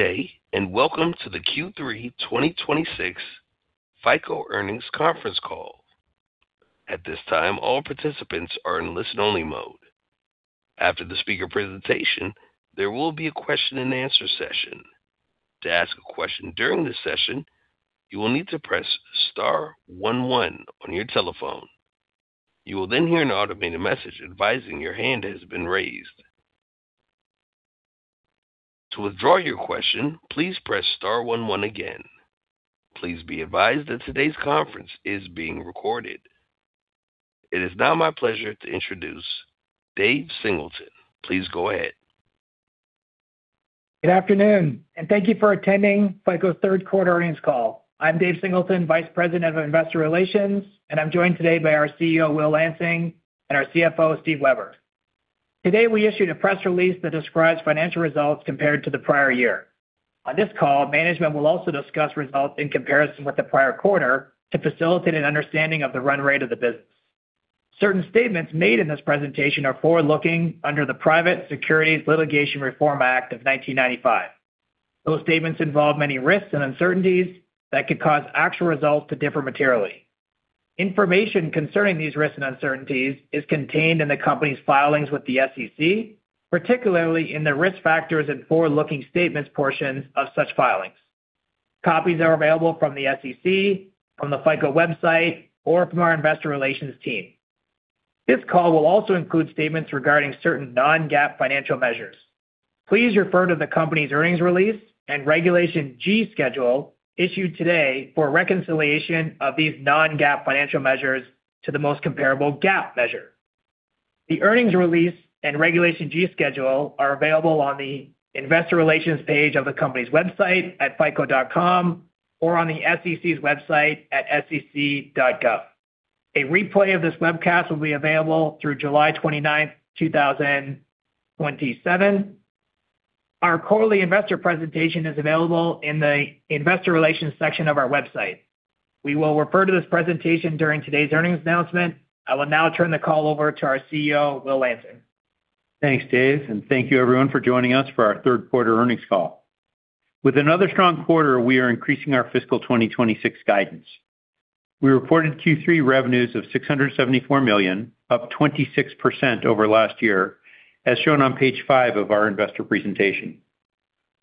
Good day, and welcome to the Q3 2026 FICO earnings conference call. At this time, all participants are in listen-only mode. After the speaker presentation, there will be a question and answer session. To ask a question during this session, you will need to press star one one on your telephone. You will then hear an automated message advising your hand has been raised. To withdraw your question, please press star one one again. Please be advised that today's conference is being recorded. It is now my pleasure to introduce Dave Singleton. Please go ahead. Good afternoon, and thank you for attending FICO's third quarter earnings call. I'm Dave Singleton, Vice President of Investor Relations, and I'm joined today by our CEO, Will Lansing, and our CFO, Steve Weber. Today, we issued a press release that describes financial results compared to the prior year. On this call, management will also discuss results in comparison with the prior quarter to facilitate an understanding of the run rate of the business. Certain statements made in this presentation are forward-looking under the Private Securities Litigation Reform Act of 1995. Those statements involve many risks and uncertainties that could cause actual results to differ materially. Information concerning these risks and uncertainties is contained in the company's filings with the SEC, particularly in the Risk Factors and Forward-Looking Statements portions of such filings. Copies are available from the SEC, from the FICO website, or from our investor relations team. This call will also include statements regarding certain non-GAAP financial measures. Please refer to the company's earnings release and Regulation G schedule issued today for a reconciliation of these non-GAAP financial measures to the most comparable GAAP measure. The earnings release and Regulation G schedule are available on the investor relations page of the company's website at fico.com or on the SEC's website at sec.gov. A replay of this webcast will be available through July 29, 2027. Our quarterly investor presentation is available in the investor relations section of our website. We will refer to this presentation during today's earnings announcement. I will now turn the call over to our CEO, Will Lansing. Thanks, Dave, and thank you everyone for joining us for our third quarter earnings call. With another strong quarter, we are increasing our fiscal 2026 guidance. We reported Q3 revenues of $674 million, up 26% over last year, as shown on page five of our investor presentation.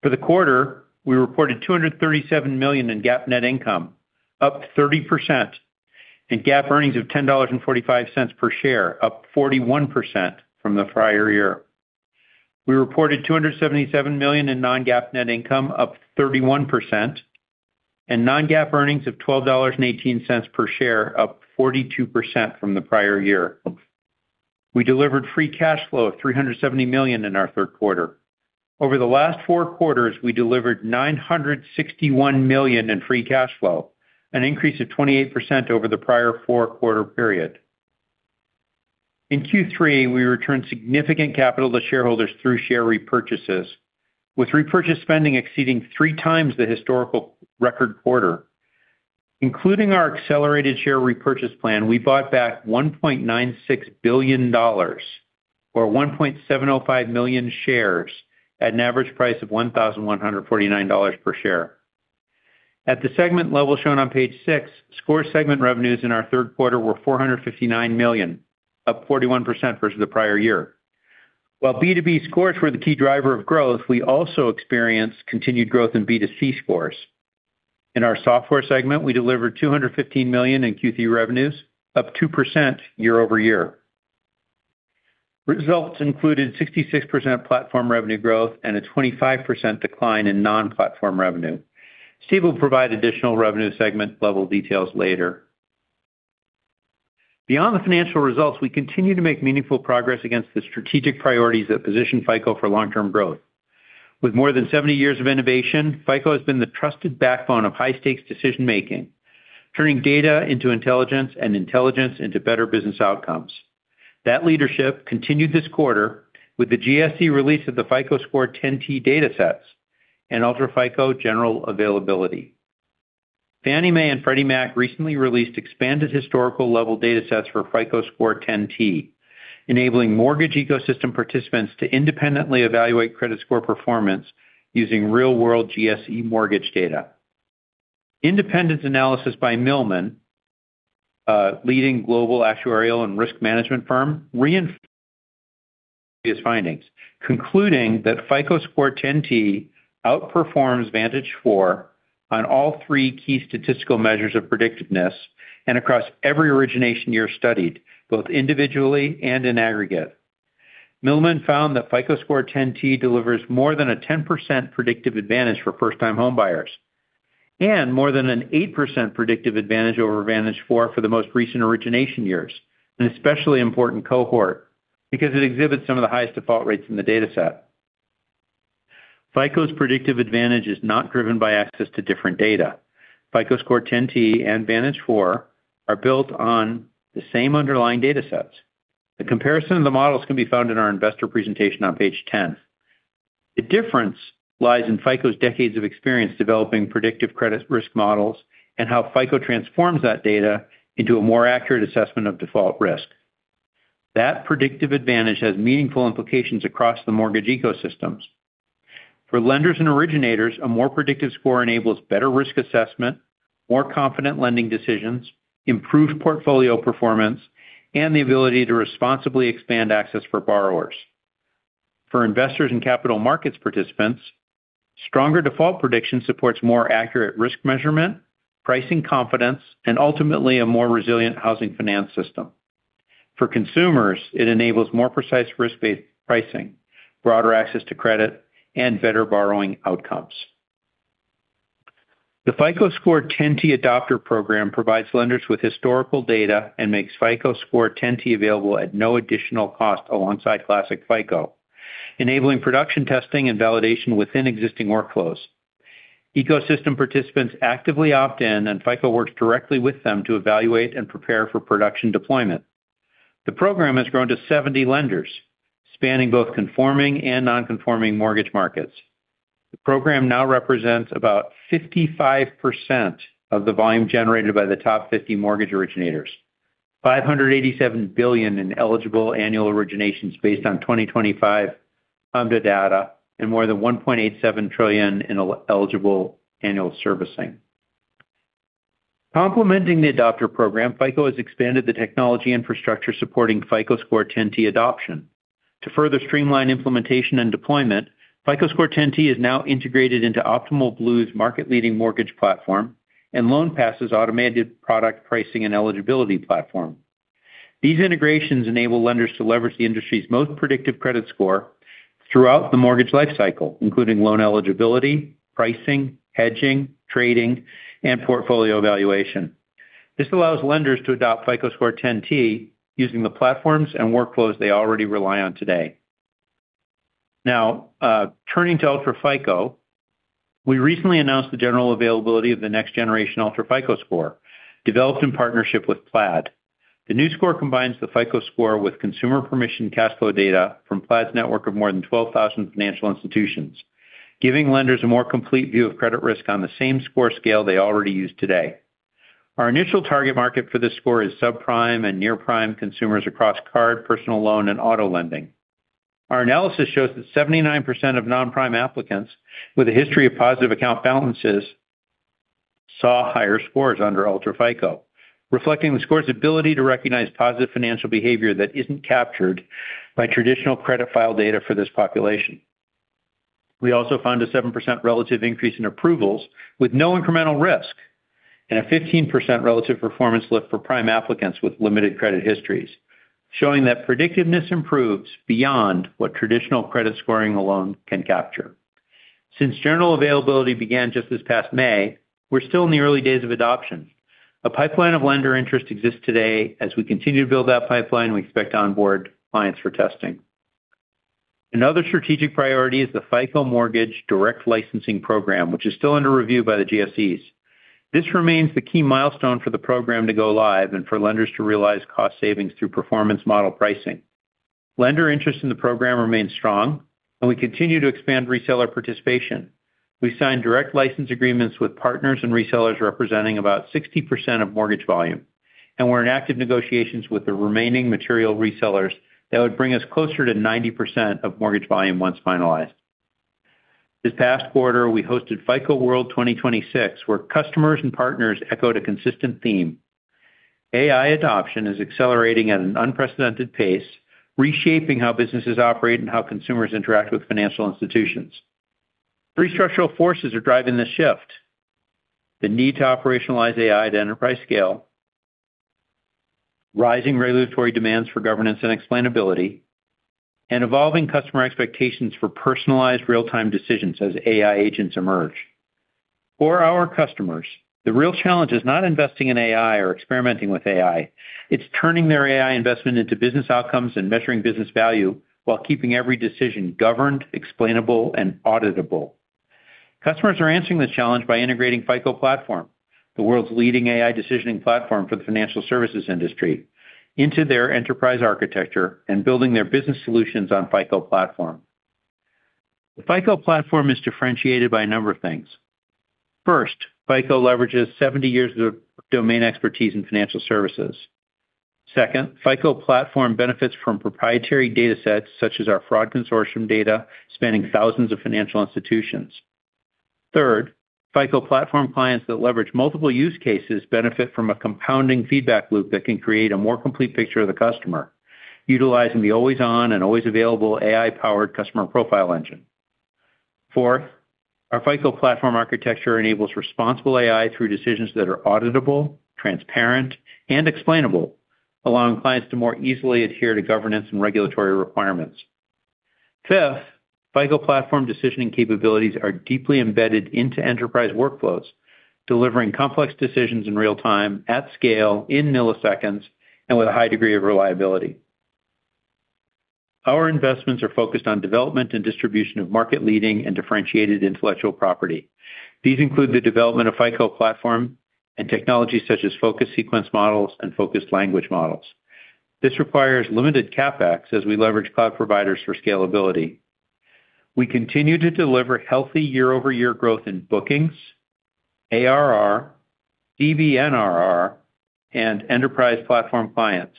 For the quarter, we reported $237 million in GAAP net income, up 30%, and GAAP earnings of $10.45 per share, up 41% from the prior year. We reported $277 million in non-GAAP net income, up 31%, and non-GAAP earnings of $12.18 per share, up 42% from the prior year. We delivered free cash flow of $370 million in our third quarter. Over the last four quarters, we delivered $961 million in free cash flow, an increase of 28% over the prior four-quarter period. In Q3, we returned significant capital to shareholders through share repurchases, with repurchase spending exceeding 3 times the historical record quarter. Including our accelerated share repurchase plan, we bought back $1.96 billion, or 1.75 million shares at an average price of $1,149 per share. At the segment level shown on page six, score segment revenues in our third quarter were $459 million, up 41% versus the prior year. While B2B scores were the key driver of growth, we also experienced continued growth in B2C scores. In our software segment, we delivered $215 million in Q3 revenues, up 2% year-over-year. Results included 66% platform revenue growth and a 25% decline in non-platform revenue. Steve will provide additional revenue segment-level details later. Beyond the financial results, we continue to make meaningful progress against the strategic priorities that position FICO for long-term growth. With more than 70 years of innovation, FICO has been the trusted backbone of high-stakes decision-making, turning data into intelligence and intelligence into better business outcomes. That leadership continued this quarter with the GSE release of the FICO Score 10T datasets and UltraFICO general availability. Fannie Mae and Freddie Mac recently released expanded historical level datasets for FICO Score 10T, enabling mortgage ecosystem participants to independently evaluate credit score performance using real-world GSE mortgage data. Independent analysis by Milliman, a leading global actuarial and risk management firm, reinforced previous findings, concluding that FICO Score 10T outperforms Vantage four on all three key statistical measures of predictiveness and across every origination year studied, both individually and in aggregate. Milliman found that FICO Score 10T delivers more than a 10% predictive advantage for first-time homebuyers and more than an 8% predictive advantage over Vantage four for the most recent origination years, an especially important cohort because it exhibits some of the highest default rates in the dataset. FICO's predictive advantage is not driven by access to different data. FICO Score 10T and Vantage four are built on the same underlying datasets. The comparison of the models can be found in our investor presentation on page 10. The difference lies in FICO's decades of experience developing predictive credit risk models and how FICO transforms that data into a more accurate assessment of default risk. That predictive advantage has meaningful implications across the mortgage ecosystems. For lenders and originators, a more predictive score enables better risk assessment, more confident lending decisions, improved portfolio performance, and the ability to responsibly expand access for borrowers. For investors and capital markets participants, stronger default prediction supports more accurate risk measurement, pricing confidence, and ultimately a more resilient housing finance system. For consumers, it enables more precise risk-based pricing, broader access to credit, and better borrowing outcomes. The FICO Score 10T Adopter program provides lenders with historical data and makes FICO Score 10T available at no additional cost alongside Classic FICO, enabling production testing and validation within existing workflows. Ecosystem participants actively opt in. FICO works directly with them to evaluate and prepare for production deployment. The program has grown to 70 lenders, spanning both conforming and non-conforming mortgage markets. The program now represents about 55% of the volume generated by the top 50 mortgage originators, $587 billion in eligible annual originations based on 2025 HMDA data, and more than $1.87 trillion in eligible annual servicing. Complementing the adopter program, FICO has expanded the technology infrastructure supporting FICO Score 10T adoption. To further streamline implementation and deployment, FICO Score 10T is now integrated into Optimal Blue's market-leading mortgage platform and LoanPass's automated product pricing and eligibility platform. These integrations enable lenders to leverage the industry's most predictive credit score throughout the mortgage lifecycle, including loan eligibility, pricing, hedging, trading, and portfolio valuation. This allows lenders to adopt FICO Score 10T using the platforms and workflows they already rely on today. Now, turning to UltraFICO, we recently announced the general availability of the next-generation UltraFICO Score, developed in partnership with Plaid. The new score combines the FICO Score with consumer permission cash flow data from Plaid's network of more than 12,000 financial institutions, giving lenders a more complete view of credit risk on the same score scale they already use today. Our initial target market for this score is subprime and near-prime consumers across card, personal loan, and auto lending. Our analysis shows that 79% of non-prime applicants with a history of positive account balances saw higher scores under UltraFICO, reflecting the score's ability to recognize positive financial behavior that isn't captured by traditional credit file data for this population. We also found a 7% relative increase in approvals with no incremental risk and a 15% relative performance lift for prime applicants with limited credit histories, showing that predictiveness improves beyond what traditional credit scoring alone can capture. Since general availability began just this past May, we're still in the early days of adoption. A pipeline of lender interest exists today. As we continue to build that pipeline, we expect to onboard clients for testing. Another strategic priority is the FICO® Mortgage Direct Licensing Program, which is still under review by the GSEs. This remains the key milestone for the program to go live and for lenders to realize cost savings through performance model pricing. Lender interest in the program remains strong. We continue to expand reseller participation. We signed direct license agreements with partners and resellers representing about 60% of mortgage volume. We're in active negotiations with the remaining material resellers that would bring us closer to 90% of mortgage volume once finalized. This past quarter, we hosted FICO World 2026, where customers and partners echoed a consistent theme. AI adoption is accelerating at an unprecedented pace, reshaping how businesses operate and how consumers interact with financial institutions. Three structural forces are driving this shift: the need to operationalize AI at enterprise scale, rising regulatory demands for governance and explainability, and evolving customer expectations for personalized real-time decisions as AI agents emerge. For our customers, the real challenge is not investing in AI or experimenting with AI. It's turning their AI investment into business outcomes and measuring business value while keeping every decision governed, explainable, and auditable. Customers are answering this challenge by integrating FICO Platform, the world's leading AI decisioning platform for the financial services industry, into their enterprise architecture and building their business solutions on FICO Platform. The FICO Platform is differentiated by a number of things. First, FICO leverages 70 years of domain expertise in financial services. Second, FICO Platform benefits from proprietary datasets, such as our fraud consortium data, spanning thousands of financial institutions. Third, FICO Platform clients that leverage multiple use cases benefit from a compounding feedback loop that can create a more complete picture of the customer, utilizing the always-on and always-available AI-powered customer profile engine. Fourth, our FICO Platform architecture enables responsible AI through decisions that are auditable, transparent, and explainable, allowing clients to more easily adhere to governance and regulatory requirements. Fifth, FICO Platform decisioning capabilities are deeply embedded into enterprise workflows, delivering complex decisions in real time, at scale, in milliseconds, and with a high degree of reliability. Our investments are focused on development and distribution of market-leading and differentiated intellectual property. These include the development of FICO Platform and technologies such as Focused Sequence Models and Focused Language Models. This requires limited CapEx as we leverage cloud providers for scalability. We continue to deliver healthy year-over-year growth in bookings, ARR, DBNRR, and enterprise platform clients,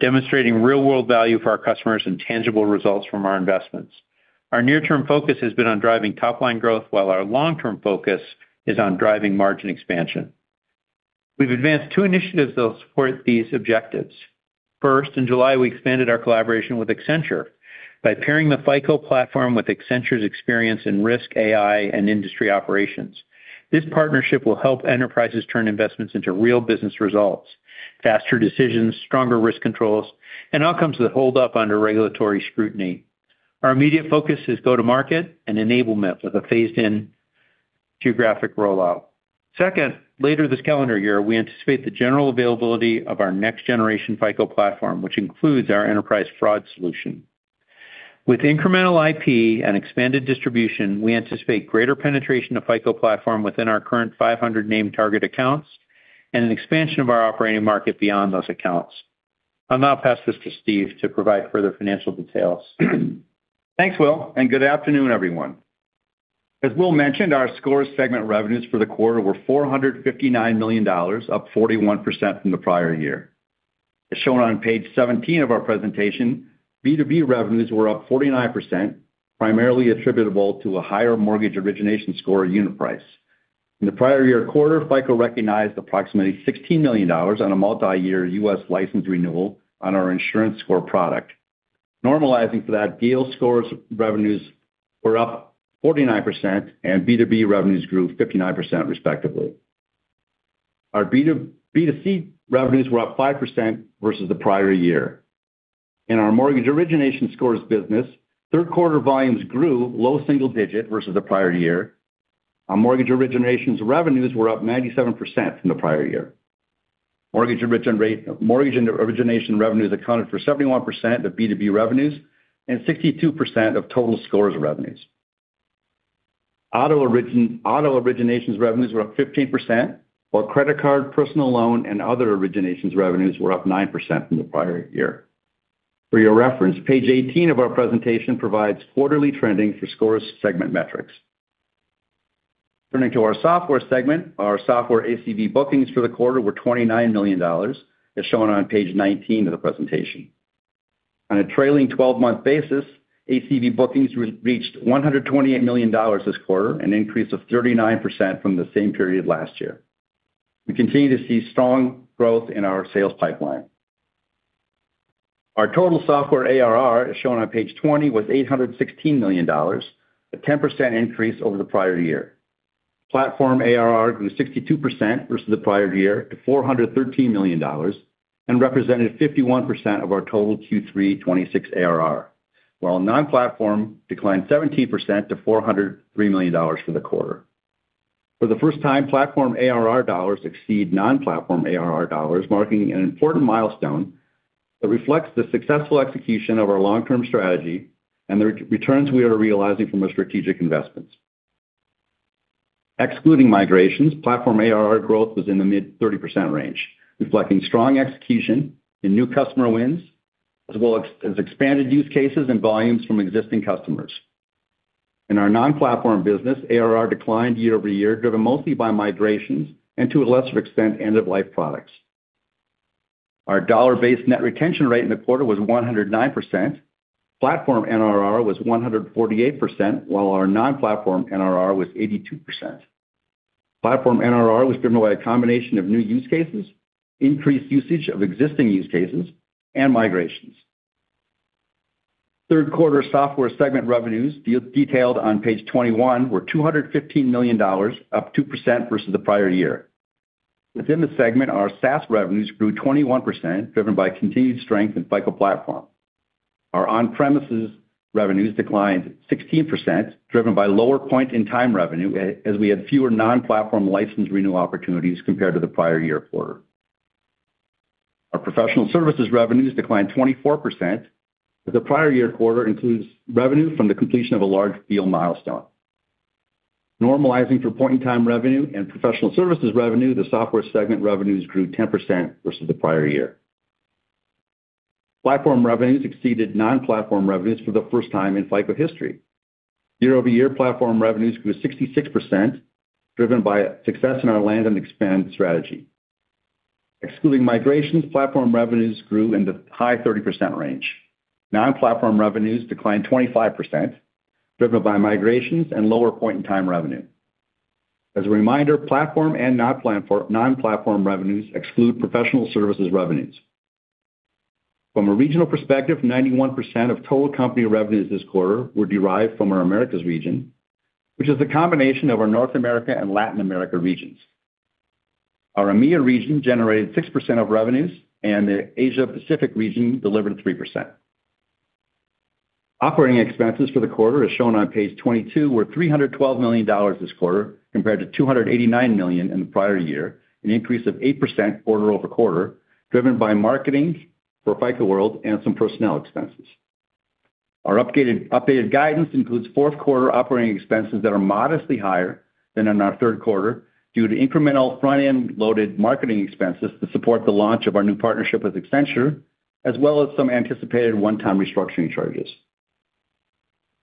demonstrating real-world value for our customers and tangible results from our investments. Our near-term focus has been on driving top-line growth, while our long-term focus is on driving margin expansion. We've advanced two initiatives that will support these objectives. First, in July, we expanded our collaboration with Accenture by pairing the FICO Platform with Accenture's experience in risk, AI, and industry operations. This partnership will help enterprises turn investments into real business results, faster decisions, stronger risk controls, and outcomes that hold up under regulatory scrutiny. Our immediate focus is go-to-market and enablement with a phased-in geographic rollout. Second, later this calendar year, we anticipate the general availability of our next-generation FICO Platform, which includes our enterprise fraud solution. With incremental IP and expanded distribution, we anticipate greater penetration of FICO Platform within our current 500 named target accounts, and an expansion of our operating market beyond those accounts. I'll now pass this to Steve to provide further financial details. Thanks, Will, and good afternoon, everyone. As Will mentioned, our Scores segment revenues for the quarter were $459 million, up 41% from the prior year. As shown on page 17 of our presentation, B2B revenues were up 49%, primarily attributable to a higher mortgage origination score unit price. In the prior year quarter, FICO recognized approximately $16 million on a multi-year U.S. license renewal on our insurance score product. Normalizing for that deal, Scores revenues were up 49% and B2B revenues grew 59%, respectively. Our B2C revenues were up 5% versus the prior year. In our mortgage origination scores business, third quarter volumes grew low single digit versus the prior year. Our mortgage originations revenues were up 97% from the prior year. Mortgage origination revenues accounted for 71% of B2B revenues and 62% of total Scores revenues. Auto originations revenues were up 15%, while credit card, personal loan, and other originations revenues were up 9% from the prior year. For your reference, page 18 of our presentation provides quarterly trending for Scores segment metrics. Turning to our Software segment, our Software ACV bookings for the quarter were $29 million, as shown on page 19 of the presentation. On a trailing 12-month basis, ACV bookings reached $128 million this quarter, an increase of 39% from the same period last year. We continue to see strong growth in our sales pipeline. Our total Software ARR, as shown on page 20, was $816 million, a 10% increase over the prior year. Platform ARR grew 62% versus the prior year to $413 million and represented 51% of our total Q3 2026 ARR, while non-platform declined 17% to $403 million for the quarter. For the first time, Platform ARR dollars exceed non-platform ARR dollars, marking an important milestone that reflects the successful execution of our long-term strategy and the returns we are realizing from our strategic investments. Excluding migrations, Platform ARR growth was in the mid-30% range, reflecting strong execution in new customer wins, as well as expanded use cases and volumes from existing customers. In our non-platform business, ARR declined year-over-year, driven mostly by migrations and, to a lesser extent, end-of-life products. Our dollar-based net retention rate in the quarter was 109%. Platform NRR was 148%, while our non-platform NRR was 82%. Platform NRR was driven by a combination of new use cases, increased usage of existing use cases, and migrations. Third quarter Software segment revenues, detailed on page 21, were $215 million, up 2% versus the prior year. Within the segment, our SaaS revenues grew 21%, driven by continued strength in FICO® Platform. Our on-premises revenues declined 16%, driven by lower point-in-time revenue as we had fewer non-platform license renewal opportunities compared to the prior year quarter. Our professional services revenues declined 24%, as the prior year quarter includes revenue from the completion of a large deal milestone. Normalizing for point-in-time revenue and professional services revenue, the Software segment revenues grew 10% versus the prior year. Platform revenues exceeded non-platform revenues for the first time in FICO history. Year-over-year Platform revenues grew 66%, driven by success in our land and expand strategy. Excluding migrations, Platform revenues grew in the high 30% range. Non-platform revenues declined 25%, driven by migrations and lower point-in-time revenue. As a reminder, Platform and non-platform revenues exclude professional services revenues. From a regional perspective, 91% of total company revenues this quarter were derived from our Americas region, which is the combination of our North America and Latin America regions. Our EMEA region generated 6% of revenues, and the Asia Pacific region delivered 3%. Operating expenses for the quarter, as shown on page 22, were $312 million this quarter compared to $289 million in the prior year, an increase of 8% quarter-over-quarter, driven by marketing for FICO World and some personnel expenses. Our updated guidance includes fourth quarter operating expenses that are modestly higher than in our third quarter due to incremental front-end loaded marketing expenses to support the launch of our new partnership with Accenture As well as some anticipated one-time restructuring charges.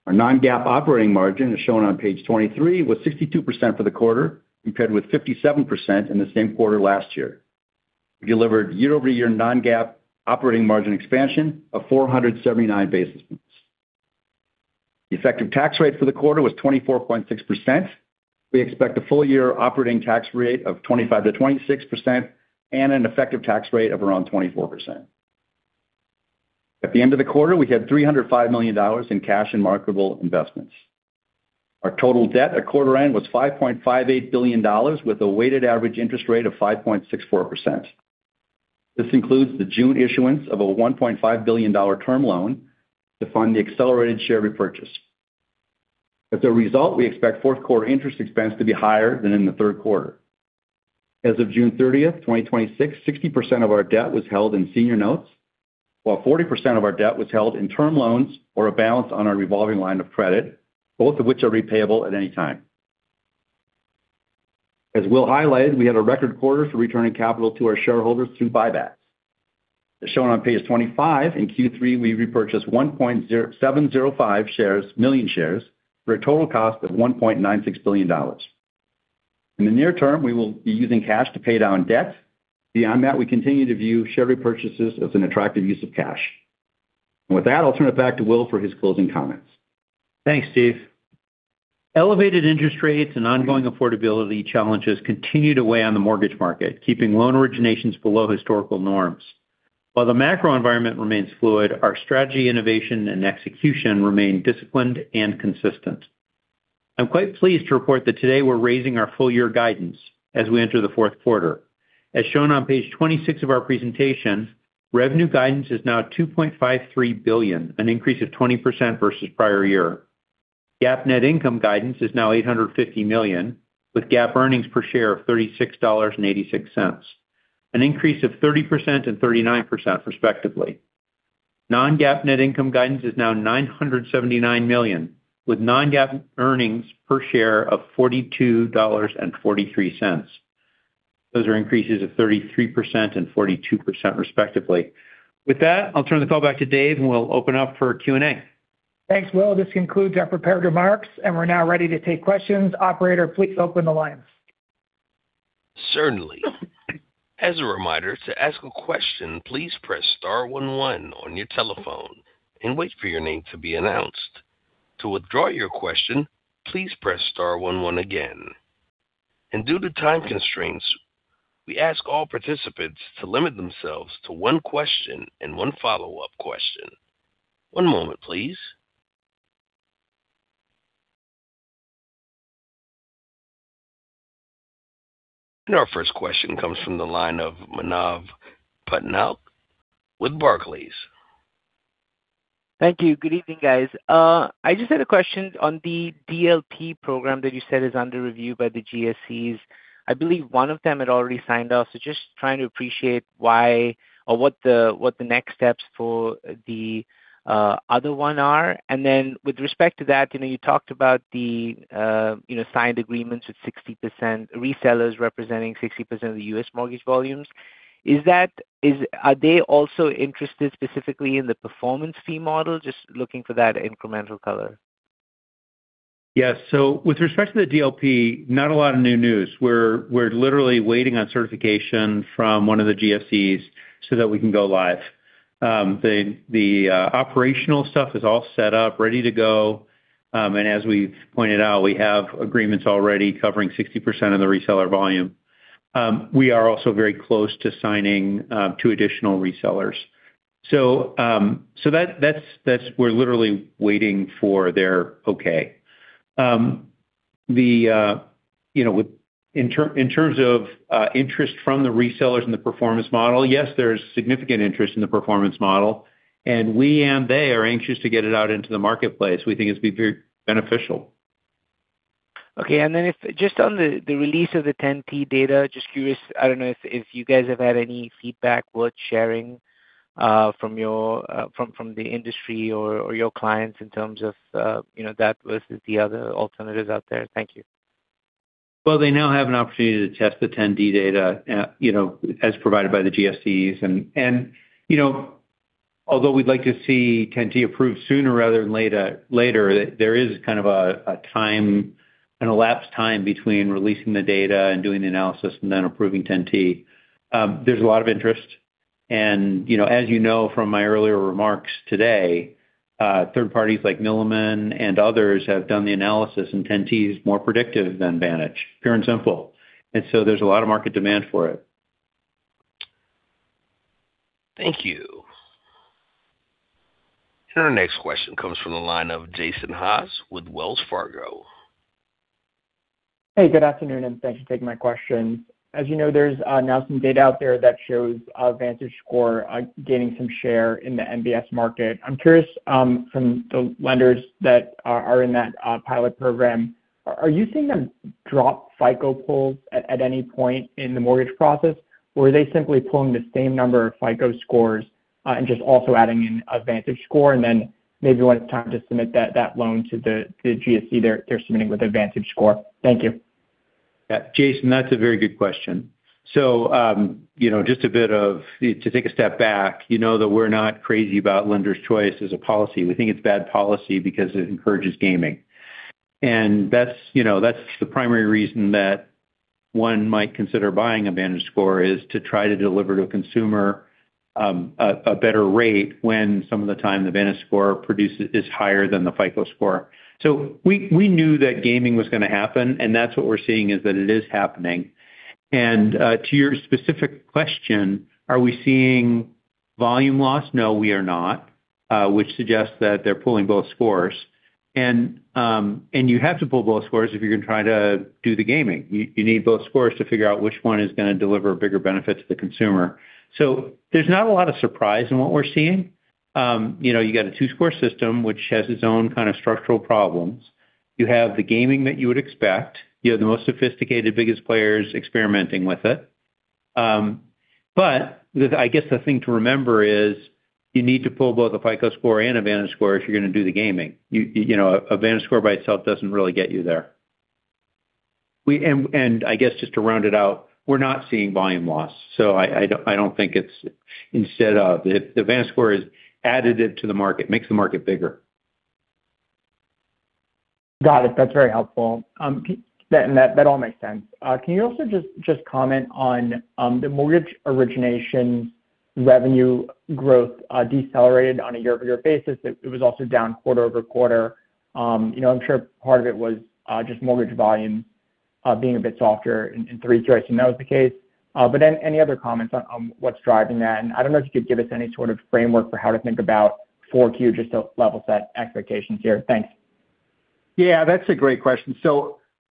Our non-GAAP operating margin, as shown on page 23, was 62% for the quarter, compared with 57% in the same quarter last year. We delivered year-over-year non-GAAP operating margin expansion of 479 basis points. The effective tax rate for the quarter was 24.6%. We expect a full year operating tax rate of 25% to 26% and an effective tax rate of around 24%. At the end of the quarter, we had $305 million in cash and marketable investments. Our total debt at quarter end was $5.58 billion, with a weighted average interest rate of 5.64%. This includes the June issuance of a $1.5 billion term loan to fund the accelerated share repurchase. As a result, we expect fourth quarter interest expense to be higher than in the third quarter. As of June 30th, 2026, 60% of our debt was held in senior notes, while 40% of our debt was held in term loans or a balance on our revolving line of credit, both of which are repayable at any time. As Will highlighted, we had a record quarter for returning capital to our shareholders through buybacks. As shown on page 25, in Q3, we repurchased 1.705 million shares for a total cost of $1.96 billion. In the near term, we will be using cash to pay down debt. Beyond that, we continue to view share repurchases as an attractive use of cash. With that, I'll turn it back to Will for his closing comments. Thanks, Steve. Elevated interest rates and ongoing affordability challenges continue to weigh on the mortgage market, keeping loan originations below historical norms. While the macro environment remains fluid, our strategy, innovation, and execution remain disciplined and consistent. I'm quite pleased to report that today we're raising our full year guidance as we enter the fourth quarter. As shown on page 26 of our presentation, revenue guidance is now $2.53 billion, an increase of 20% versus prior year. GAAP net income guidance is now $850 million, with GAAP earnings per share of $36.86, an increase of 30% and 39% respectively. Non-GAAP net income guidance is now $979 million, with non-GAAP earnings per share of $42.43. Those are increases of 33% and 42% respectively. With that, I'll turn the call back to Dave and we'll open up for Q&A. Thanks, Will. This concludes our prepared remarks and we're now ready to take questions. Operator, please open the lines. Certainly. As a reminder, to ask a question, please press *11 on your telephone and wait for your name to be announced. To withdraw your question, please press *11 again. Due to time constraints, we ask all participants to limit themselves to one question and one follow-up question. One moment please. Our first question comes from the line of Manav Patnaik with Barclays. Thank you. Good evening, guys. I just had a question on the DLP program that you said is under review by the GSEs. I believe one of them had already signed off, so just trying to appreciate why or what the next steps for the other one are. With respect to that, you talked about the signed agreements with 60% resellers representing 60% of the U.S. mortgage volumes. Are they also interested specifically in the performance fee model? Just looking for that incremental color. Yes. With respect to the DLP, not a lot of new news. We're literally waiting on certification from one of the GSEs so that we can go live. The operational stuff is all set up, ready to go. As we've pointed out, we have agreements already covering 60% of the reseller volume. We are also very close to signing two additional resellers. We're literally waiting for their okay. In terms of interest from the resellers and the performance model, yes, there's significant interest in the performance model, and we and they are anxious to get it out into the marketplace. We think it'd be very beneficial. Okay. Just on the release of the 10T data, just curious, I don't know if you guys have had any feedback worth sharing from the industry or your clients in terms of that versus the other alternatives out there. Thank you. Well, they now have an opportunity to test the 10T data as provided by the GSEs. Although we'd like to see 10T approved sooner rather than later, there is kind of an elapsed time between releasing the data and doing the analysis and then approving 10T. There's a lot of interest, as you know from my earlier remarks today, third parties like Milliman and others have done the analysis and 10T is more predictive than VantageScore, pure and simple. There's a lot of market demand for it. Thank you. Our next question comes from the line of Jason Haas with Wells Fargo. Hey, good afternoon, thanks for taking my question. You know, there's now some data out there that shows a VantageScore score gaining some share in the MBS market. I'm curious from the lenders that are in that pilot program, are you seeing them drop FICO pulls at any point in the mortgage process, or are they simply pulling the same number of FICO scores and just also adding in a VantageScore score, then maybe when it's time to submit that loan to the GSE, they're submitting with a VantageScore score? Thank you. Jason, that's a very good question. To take a step back, you know that we're not crazy about Lender Choice as a policy. We think it's bad policy because it encourages gaming. That's the primary reason that one might consider buying a VantageScore score is to try to deliver to a consumer, a better rate when some of the time the VantageScore score produced is higher than the FICO score. We knew that gaming was going to happen, that's what we're seeing is that it is happening. To your specific question, are we seeing volume loss? No, we are not, which suggests that they're pulling both scores. You have to pull both scores if you're going to try to do the gaming. You need both scores to figure out which one is going to deliver a bigger benefit to the consumer. There's not a lot of surprise in what we're seeing. You have a two-score system, which has its own kind of structural problems. You have the gaming that you would expect. You have the most sophisticated, biggest players experimenting with it. I guess the thing to remember is you need to pull both a FICO Score and a VantageScore score if you're going to do the gaming. A VantageScore score by itself doesn't really get you there. I guess just to round it out, we're not seeing volume loss, so I don't think it's instead of. The VantageScore score is additive to the market, makes the market bigger. Got it. That's very helpful. That all makes sense. Can you also just comment on the mortgage origination revenue growth, decelerated on a year-over-year basis. It was also down quarter-over-quarter. I'm sure part of it was just mortgage volume, being a bit softer in Q3. I assume that was the case. Any other comments on what's driving that? I don't know if you could give us any sort of framework for how to think about 4Q, just to level set expectations here. Thanks. Yeah, that's a great question. If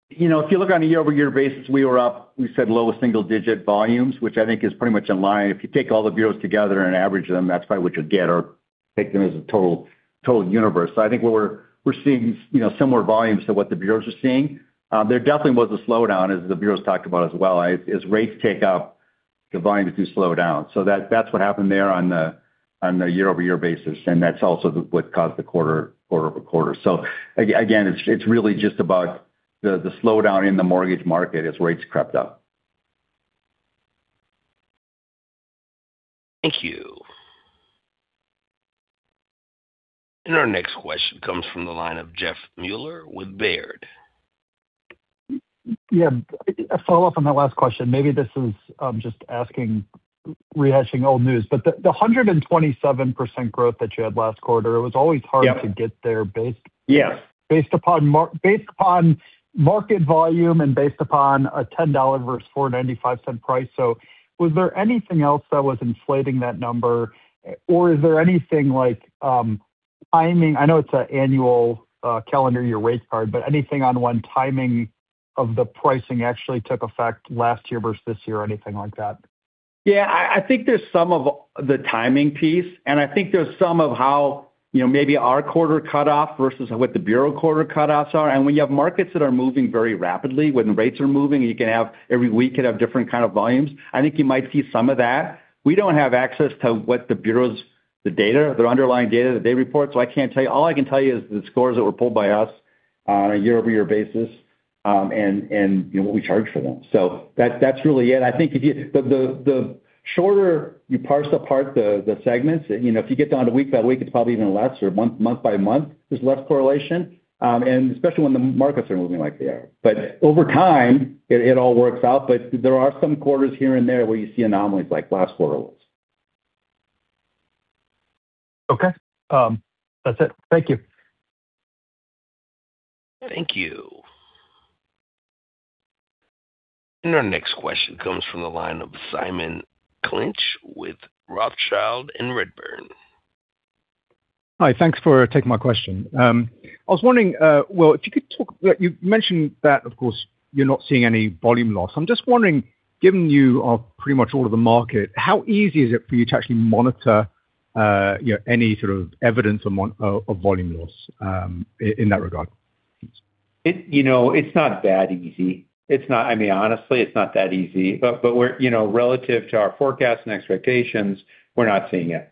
you look on a year-over-year basis, we were up, we said, low single-digit volumes, which I think is pretty much in line. If you take all the bureaus together and average them, that's probably what you'll get, or take them as a total universe. I think we're seeing similar volumes to what the bureaus are seeing. There definitely was a slowdown, as the bureaus talked about as well. As rates tick up, the volume do slow down. That's what happened there on the year-over-year basis, and that's also what caused the quarter-over-quarter. Again, it's really just about the slowdown in the mortgage market as rates crept up. Thank you. Our next question comes from the line of Jeff Meuler with Baird. A follow-up on that last question. Maybe this is just rehashing old news. The 127% growth that you had last quarter, it was always hard Yep to get there based Yes upon market volume and based upon a $10 versus $4.95 price. Was there anything else that was inflating that number? Is there anything like timing, I know it's an annual calendar year rate card, but anything on when timing of the pricing actually took effect last year versus this year or anything like that? I think there's some of the timing piece, I think there's some of how maybe our quarter cutoff versus what the bureau quarter cutoffs are. When you have markets that are moving very rapidly, when rates are moving, every week could have different kind of volumes. I think you might see some of that. We don't have access to what the bureaus, the data, their underlying data that they report, I can't tell you. All I can tell you is the scores that were pulled by us on a year-over-year basis, and what we charged for them. That's really it. I think the shorter you parse apart the segments, if you get down to week by week, it's probably even less, or month by month, there's less correlation, and especially when the markets are moving like they are. Over time, it all works out. There are some quarters here and there where you see anomalies like last quarter was. Okay. That's it. Thank you. Thank you. Our next question comes from the line of Simon Clinch with Rothschild & Redburn. Hi. Thanks for taking my question. I was wondering, well, you've mentioned that, of course, you're not seeing any volume loss. I'm just wondering, given you are pretty much all of the market, how easy is it for you to actually monitor any sort of evidence of volume loss, in that regard? It's not that easy. Honestly, it's not that easy. Relative to our forecast and expectations, we're not seeing it.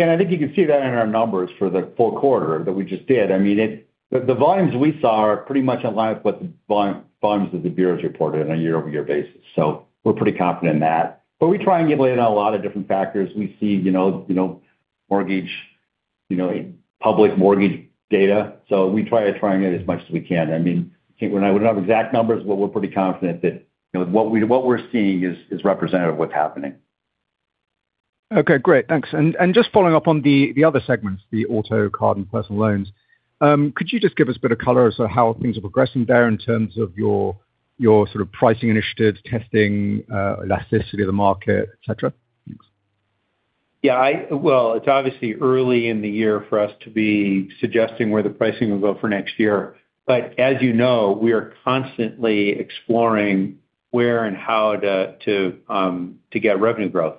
I think you can see that in our numbers for the fourth quarter that we just did. I mean, the volumes we saw are pretty much in line with volumes that the bureaus reported on a year-over-year basis. We're pretty confident in that. We try and get a read on a lot of different factors. We see public mortgage data. We try trying it as much as we can. I mean, I wouldn't have exact numbers, but we're pretty confident that what we're seeing is representative of what's happening. Okay, great. Thanks. Just following up on the other segments, the auto card and personal loans, could you just give us a bit of color as to how things are progressing there in terms of your sort of pricing initiatives, testing, elasticity of the market, et cetera? Thanks. Well, it's obviously early in the year for us to be suggesting where the pricing will go for next year. As you know, we are constantly exploring where and how to get revenue growth.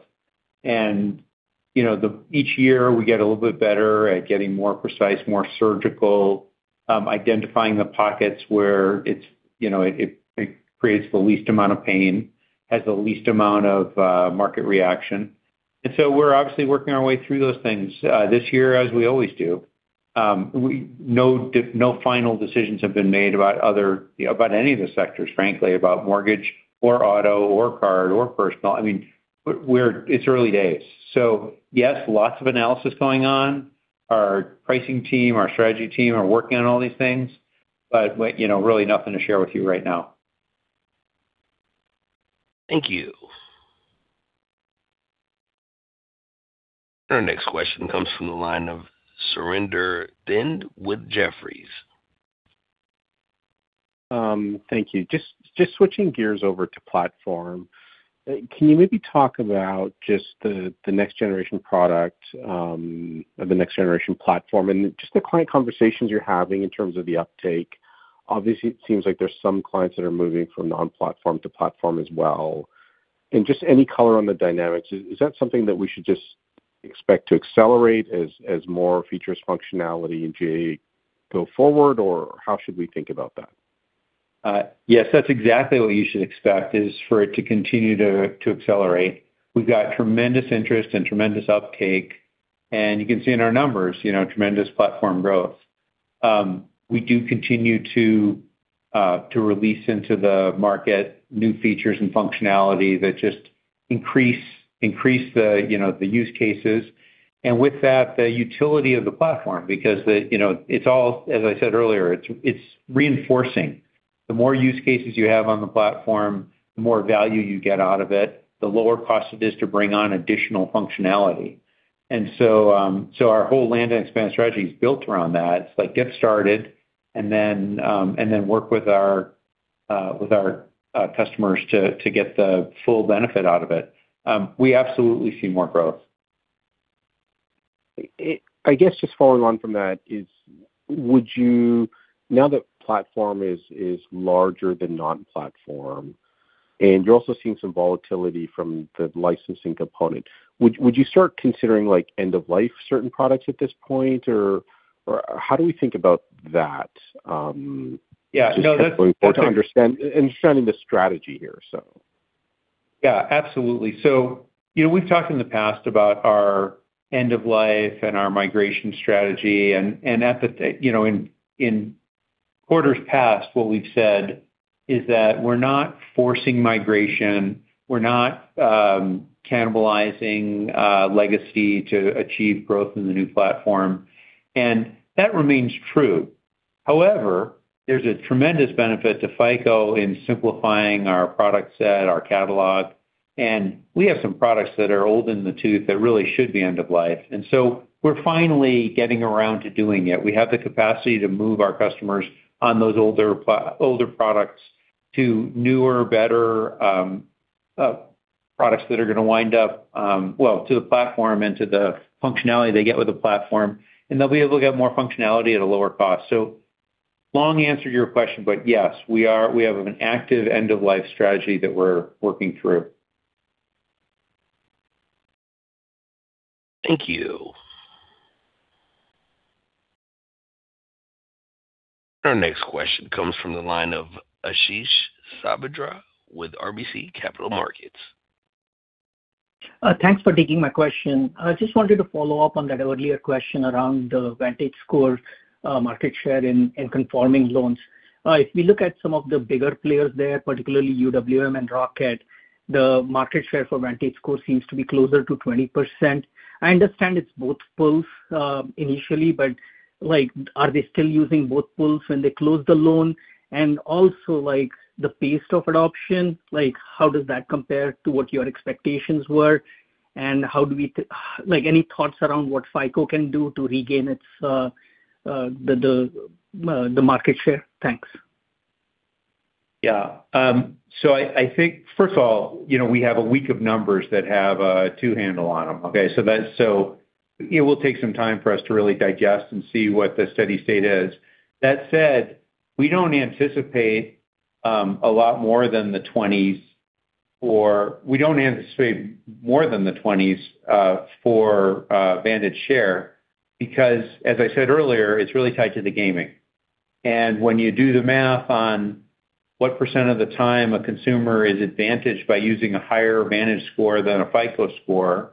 Each year, we get a little bit better at getting more precise, more surgical, identifying the pockets where it creates the least amount of pain, has the least amount of market reaction. We're obviously working our way through those things, this year as we always do. No final decisions have been made about any of the sectors, frankly, about mortgage or auto or card or personal. It's early days. Yes, lots of analysis going on. Our pricing team, our strategy team are working on all these things, but really nothing to share with you right now. Thank you. Our next question comes from the line of Surinder Thind with Jefferies. Thank you. Just switching gears over to Platform. Can you maybe talk about just the next generation product, or the next generation Platform and just the client conversations you're having in terms of the uptake? Obviously, it seems like there's some clients that are moving from non-Platform to Platform as well. Just any color on the dynamics. Is that something that we should just expect to accelerate as more features, functionality in GA go forward? How should we think about that? Yes. That's exactly what you should expect, is for it to continue to accelerate. We've got tremendous interest and tremendous uptake, and you can see in our numbers, tremendous Platform growth. We do continue to release into the market new features and functionality that just increase the use cases. With that, the utility of the Platform, because, as I said earlier, it's reinforcing. The more use cases you have on the Platform, the more value you get out of it, the lower cost it is to bring on additional functionality. So our whole land and expand strategy is built around that. It's get started and then work with our customers to get the full benefit out of it. We absolutely see more growth. I guess just following on from that is, now that Platform is larger than non-Platform and you're also seeing some volatility from the licensing component, would you start considering end-of-life certain products at this point? How do we think about that? Yeah, no, that's. Just important to understand and understanding the strategy here. Yeah, absolutely. We've talked in the past about our end-of-life and our migration strategy, and in quarters past, what we've said is that we're not forcing migration, we're not cannibalizing legacy to achieve growth in the new platform. That remains true. However, there's a tremendous benefit to FICO in simplifying our product set, our catalog, and we have some products that are old in the tooth that really should be end-of-life. We're finally getting around to doing it. We have the capacity to move our customers on those older products to newer, better products that are going to wind up, well, to the platform and to the functionality they get with the platform, and they'll be able to get more functionality at a lower cost. Long answer to your question, but yes, we have an active end-of-life strategy that we're working through. Thank you. Our next question comes from the line of Ashish Sabadra with RBC Capital Markets. Thanks for taking my question. I just wanted to follow up on that earlier question around the VantageScore market share in conforming loans. If we look at some of the bigger players there, particularly UWM and Rocket, the market share for VantageScore seems to be closer to 20%. I understand it's both pulls initially, but are they still using both pulls when they close the loan? Also the pace of adoption, how does that compare to what your expectations were, and any thoughts around what FICO can do to regain the market share? Thanks. Yeah. I think, first of all, we have a week of numbers that have a two handle on them, okay? It will take some time for us to really digest and see what the steady state is. That said, we don't anticipate a lot more than the 20s for Vantage share because as I said earlier, it's really tied to the gaming. When you do the math on what percent of the time a consumer is advantaged by using a higher VantageScore than a FICO Score,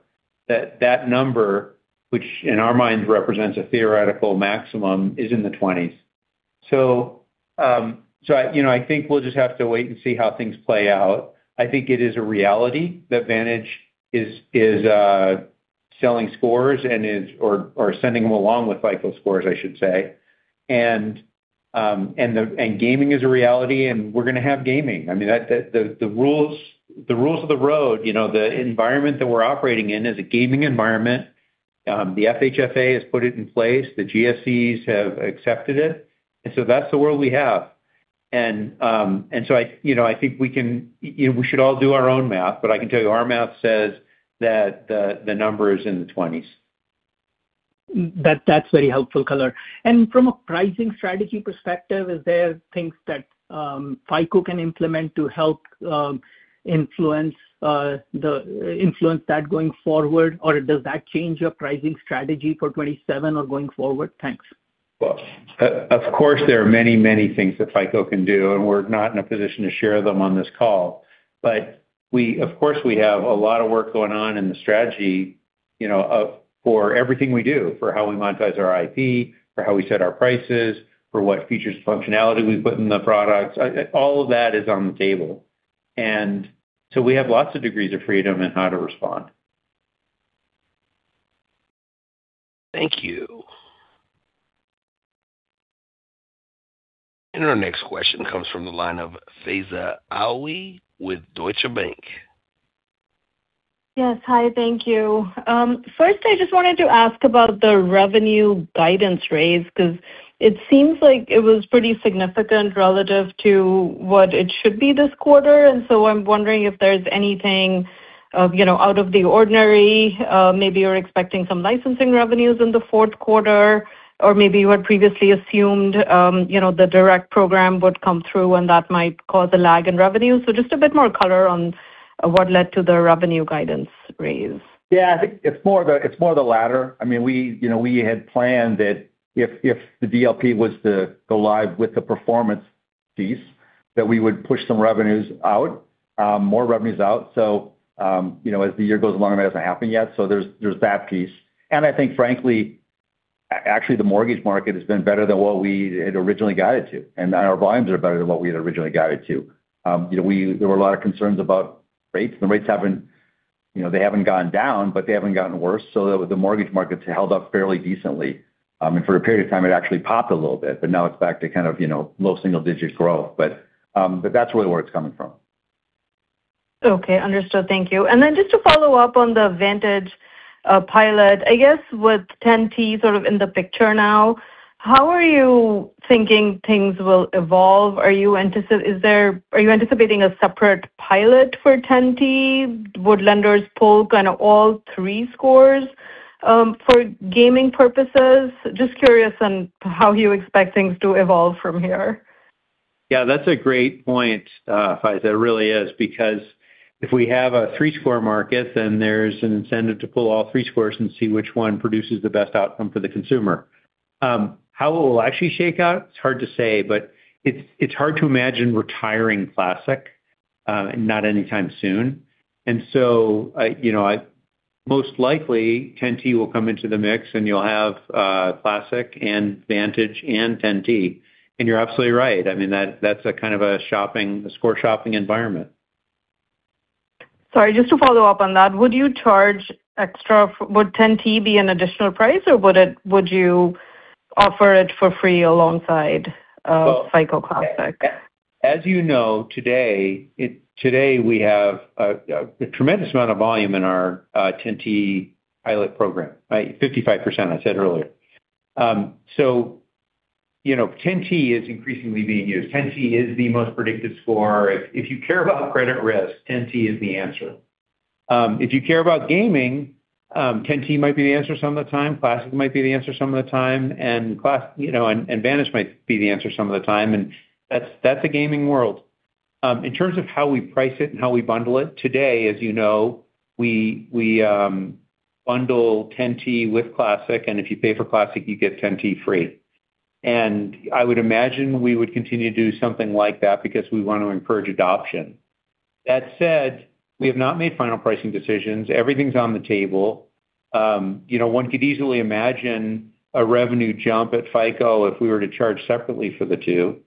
that number, which in our minds represents a theoretical maximum, is in the 20s. I think we'll just have to wait and see how things play out. I think it is a reality that Vantage is selling scores or sending them along with FICO Scores, I should say. Gaming is a reality, and we're going to have gaming. I mean, the rules of the road, the environment that we're operating in is a gaming environment. The FHFA has put it in place, the GSEs have accepted it, that's the world we have. I think we should all do our own math, but I can tell you our math says that the number is in the 20s. That's very helpful color. From a pricing strategy perspective, is there things that FICO can implement to help influence that going forward? Or does that change your pricing strategy for 2027 or going forward? Thanks. Well, of course, there are many, many things that FICO can do, we're not in a position to share them on this call. Of course, we have a lot of work going on in the strategy for everything we do, for how we monetize our IP, for how we set our prices, for what features functionality we put in the products. All of that is on the table. We have lots of degrees of freedom in how to respond. Thank you. Our next question comes from the line of Faiza Alwy with Deutsche Bank. Yes. Hi, thank you. First, I just wanted to ask about the revenue guidance raise because it seems like it was pretty significant relative to what it should be this quarter. I'm wondering if there's anything out of the ordinary. Maybe you're expecting some licensing revenues in the fourth quarter, or maybe you had previously assumed the direct program would come through and that might cause a lag in revenue. Just a bit more color on what led to the revenue guidance raise. Yeah. I think it's more of the latter. We had planned that if the DLP was to go live with the performance piece, that we would push some revenues out, more revenues out. As the year goes along, it hasn't happened yet. There's that piece. I think, frankly, actually, the mortgage market has been better than what we had originally guided to, and our volumes are better than what we had originally guided to. There were a lot of concerns about rates. The rates haven't gone down, but they haven't gotten worse, the mortgage market's held up fairly decently. For a period of time, it actually popped a little bit, but now it's back to low single-digit growth. That's really where it's coming from. Okay. Understood. Thank you. Just to follow up on the VantageScore pilot, I guess with 10T sort of in the picture now, how are you thinking things will evolve? Are you anticipating a separate pilot for 10T? Would lenders pull kind of all three scores for gaming purposes? Just curious on how you expect things to evolve from here. That's a great point, Faiza, it really is. If we have a three-score market, then there's an incentive to pull all three scores and see which one produces the best outcome for the consumer. How it will actually shake out, it's hard to say, but it's hard to imagine retiring Classic not anytime soon. Most likely, 10T will come into the mix, and you'll have Classic and VantageScore and 10T. You're absolutely right. That's a kind of a score shopping environment. Sorry, just to follow up on that, would 10T be an additional price, or would you offer it for free alongside FICO Classic? As you know, today we have a tremendous amount of volume in our 10T pilot program. 55%, I said earlier. 10T is increasingly being used. 10T is the most predictive score. If you care about credit risk, 10T is the answer. If you care about gaming, 10T might be the answer some of the time, Classic might be the answer some of the time, and VantageScore might be the answer some of the time, and that's the gaming world. In terms of how we price it and how we bundle it, today, as you know, we bundle 10T with Classic, and if you pay for Classic, you get 10T free. I would imagine we would continue to do something like that because we want to encourage adoption. That said, we have not made final pricing decisions. Everything's on the table. One could easily imagine a revenue jump at FICO if we were to charge separately for the two.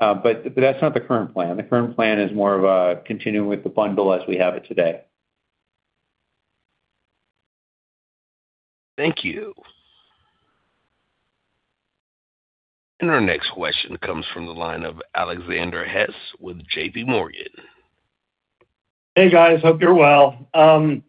That's not the current plan. The current plan is more of a continuing with the bundle as we have it today. Thank you. Our next question comes from the line of Alexander Hess with JPMorgan. Hey, guys. Hope you're well. Want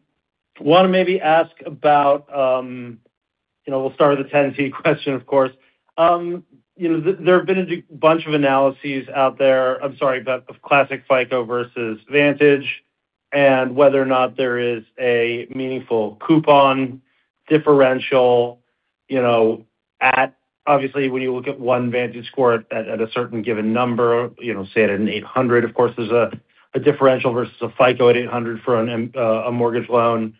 to maybe ask about, we'll start with the 10T question, of course. There have been a bunch of analyses out there, I'm sorry, of Classic FICO versus VantageScore and whether or not there is a meaningful coupon differential at obviously, when you look at one VantageScore at a certain given number, say at an 800, of course, there's a differential versus a FICO at 800 for a mortgage loan,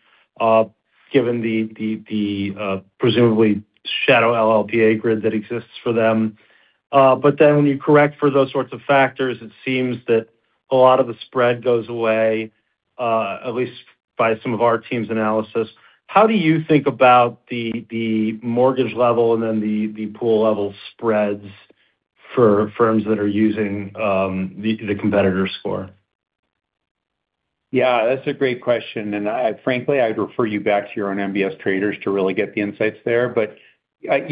given the presumably shadow LLPA grid that exists for them. When you correct for those sorts of factors, it seems that a lot of the spread goes away, at least by some of our team's analysis. How do you think about the mortgage level and then the pool-level spreads for firms that are using the competitor score? Yeah, that's a great question. Frankly, I'd refer you back to your own MBS traders to really get the insights there. As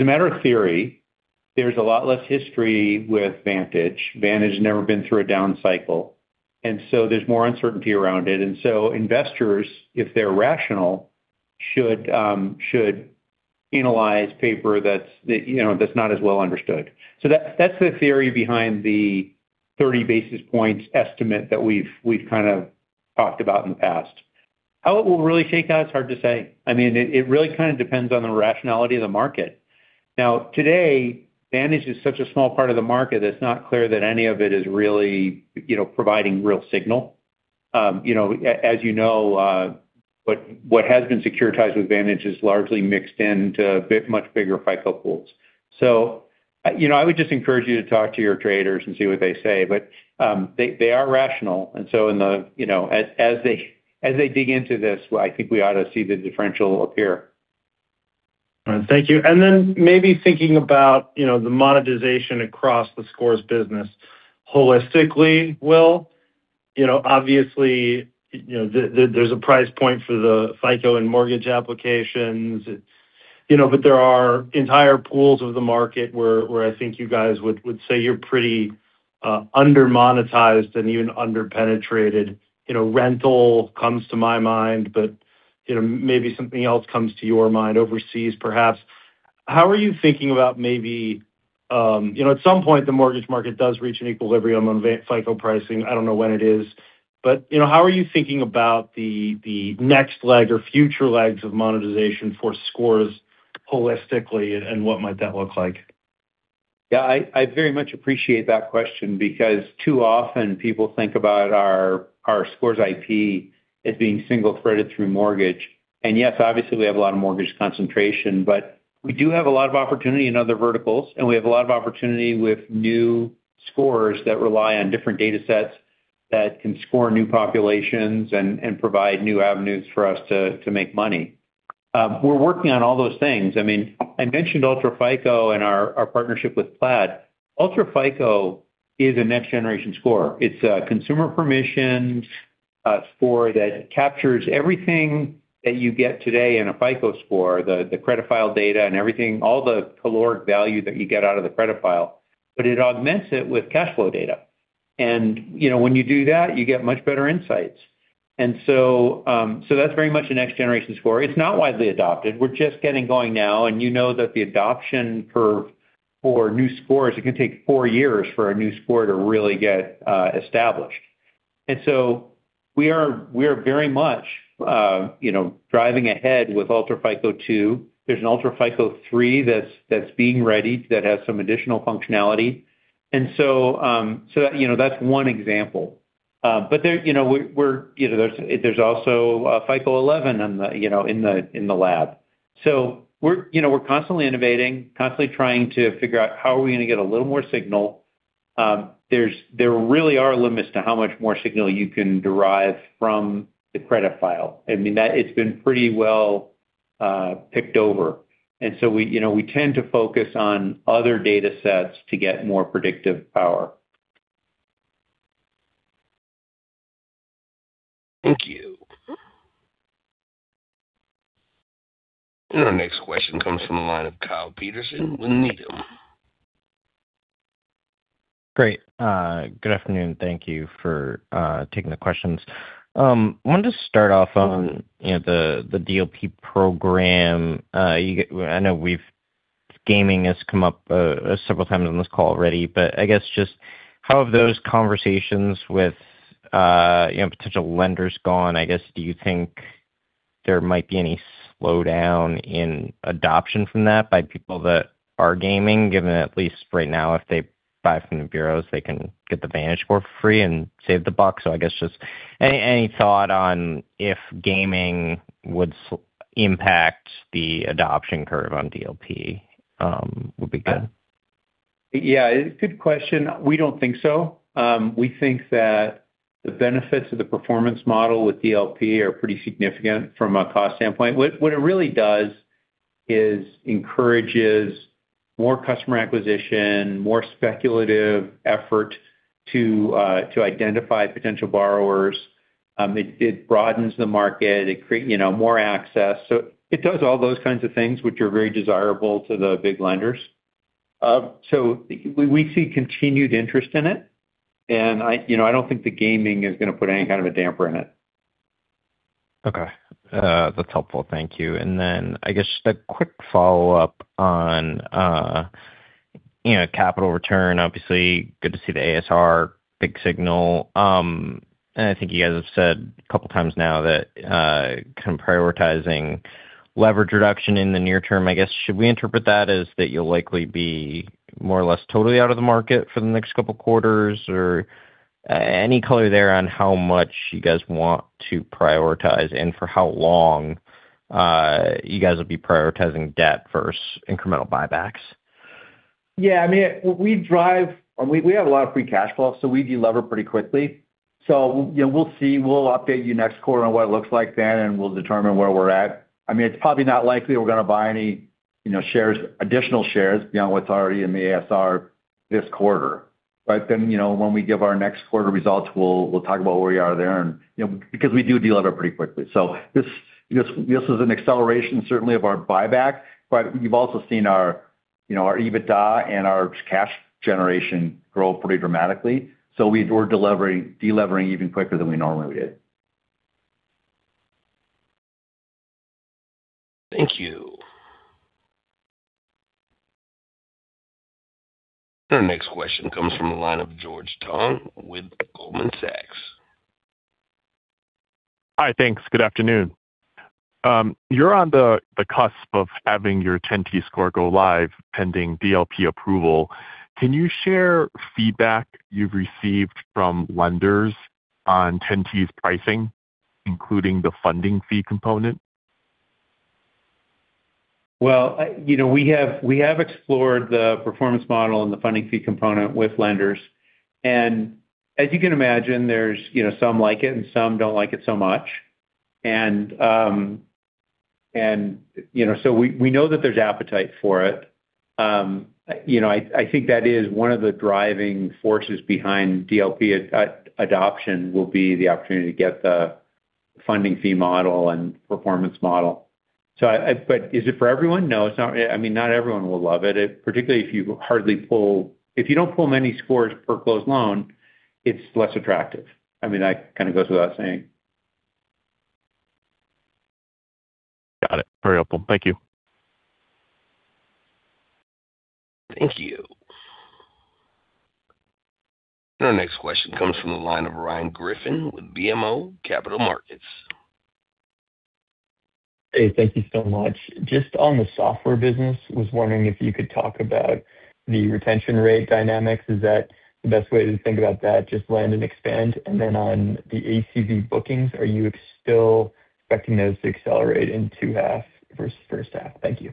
a matter of theory, there's a lot less history with VantageScore. VantageScore has never been through a down cycle, and there's more uncertainty around it. Investors, if they're rational, should penalize paper that's not as well understood. That's the theory behind the 30 basis points estimate that we've kind of talked about in the past. How it will really shake out, it's hard to say. It really kind of depends on the rationality of the market. Now, today, VantageScore is such a small part of the market, it's not clear that any of it is really providing real signal. As you know, what has been securitized with VantageScore is largely mixed into much bigger FICO pools. I would just encourage you to talk to your traders and see what they say. They are rational, and so as they dig into this, I think we ought to see the differential appear. All right. Thank you. Then maybe thinking about the monetization across the scores business holistically, Will. Obviously, there's a price point for the FICO and mortgage applications, but there are entire pools of the market where I think you guys would say you're pretty under-monetized and even under-penetrated. Rental comes to my mind, but maybe something else comes to your mind, overseas perhaps. How are you thinking about at some point, the mortgage market does reach an equilibrium on FICO pricing. I don't know when it is. But how are you thinking about the next leg or future legs of monetization for scores holistically and what might that look like? Yeah, I very much appreciate that question because too often people think about our scores IP as being single-threaded through mortgage. Yes, obviously we have a lot of mortgage concentration, but we do have a lot of opportunity in other verticals, and we have a lot of opportunity with new scores that rely on different data sets that can score new populations and provide new avenues for us to make money. We're working on all those things. I mentioned UltraFICO and our partnership with Plaid. UltraFICO is a next-generation score. It's a consumer permission score that captures everything that you get today in a FICO score, the credit file data and everything, all the caloric value that you get out of the credit file, but it augments it with cash flow data. When you do that, you get much better insights. That's very much a next-generation score. It's not widely adopted. We're just getting going now, and you know that the adoption for new scores, it can take 4 years for a new score to really get established. We are very much driving ahead with UltraFICO 2. There's an UltraFICO 3 that's being readied that has some additional functionality. That's one example. There's also a FICO 11 in the lab. We're constantly innovating, constantly trying to figure out how are we going to get a little more signal. There really are limits to how much more signal you can derive from the credit file. It's been pretty well picked over. We tend to focus on other data sets to get more predictive power. Thank you. Our next question comes from the line of Kyle Peterson with Needham. Great. Good afternoon. Thank you for taking the questions. Wanted to start off on the DLP program. I know gaming has come up several times on this call already, I guess just how have those conversations with potential lenders gone? I guess, do you think there might be any slowdown in adoption from that by people that are gaming, given at least right now, if they buy from the bureaus, they can get the VantageScore score for free and save the buck. I guess just any thought on if gaming would impact the adoption curve on DLP would be good. Yeah, good question. We don't think so. We think that the benefits of the performance model with DLP are pretty significant from a cost standpoint. What it really does is encourages more customer acquisition, more speculative effort to identify potential borrowers. It broadens the market. It creates more access. It does all those kinds of things which are very desirable to the big lenders. We see continued interest in it, and I don't think the gaming is going to put any kind of a damper in it. Okay. That's helpful. Thank you. I guess just a quick follow-up on capital return. Obviously, good to see the ASR, big signal. I think you guys have said a couple of times now that kind of prioritizing leverage reduction in the near term. I guess, should we interpret that as that you'll likely be more or less totally out of the market for the next couple of quarters? Any color there on how much you guys want to prioritize and for how long you guys will be prioritizing debt versus incremental buybacks? Yeah. We have a lot of free cash flow, we de-lever pretty quickly. We'll see. We'll update you next quarter on what it looks like then, and we'll determine where we're at. It's probably not likely we're going to buy any additional shares beyond what's already in the ASR this quarter. When we give our next quarter results, we'll talk about where we are there because we do de-lever pretty quickly. This is an acceleration, certainly of our buyback, but you've also seen our EBITDA and our cash generation grow pretty dramatically. We're de-levering even quicker than we normally did. Thank you. Our next question comes from the line of George Tong with Goldman Sachs. Hi, thanks. Good afternoon. You're on the cusp of having your 10T score go live pending DLP approval. Can you share feedback you've received from lenders on 10T's pricing, including the funding fee component? Well, we have explored the performance model and the funding fee component with lenders, and as you can imagine, there's some like it and some don't like it so much. We know that there's appetite for it. I think that is one of the driving forces behind DLP adoption will be the opportunity to get the funding fee model and performance model. Is it for everyone? No, it's not. Not everyone will love it, particularly if you don't pull many scores per closed loan, it's less attractive. That kind of goes without saying. Got it. Very helpful. Thank you. Thank you. Our next question comes from the line of Ryan Griffin with BMO Capital Markets. Hey, thank you so much. Just on the software business, was wondering if you could talk about the retention rate dynamics. Is that the best way to think about that, just land and expand? And then on the ACV bookings, are you still expecting those to accelerate in two half versus first half? Thank you.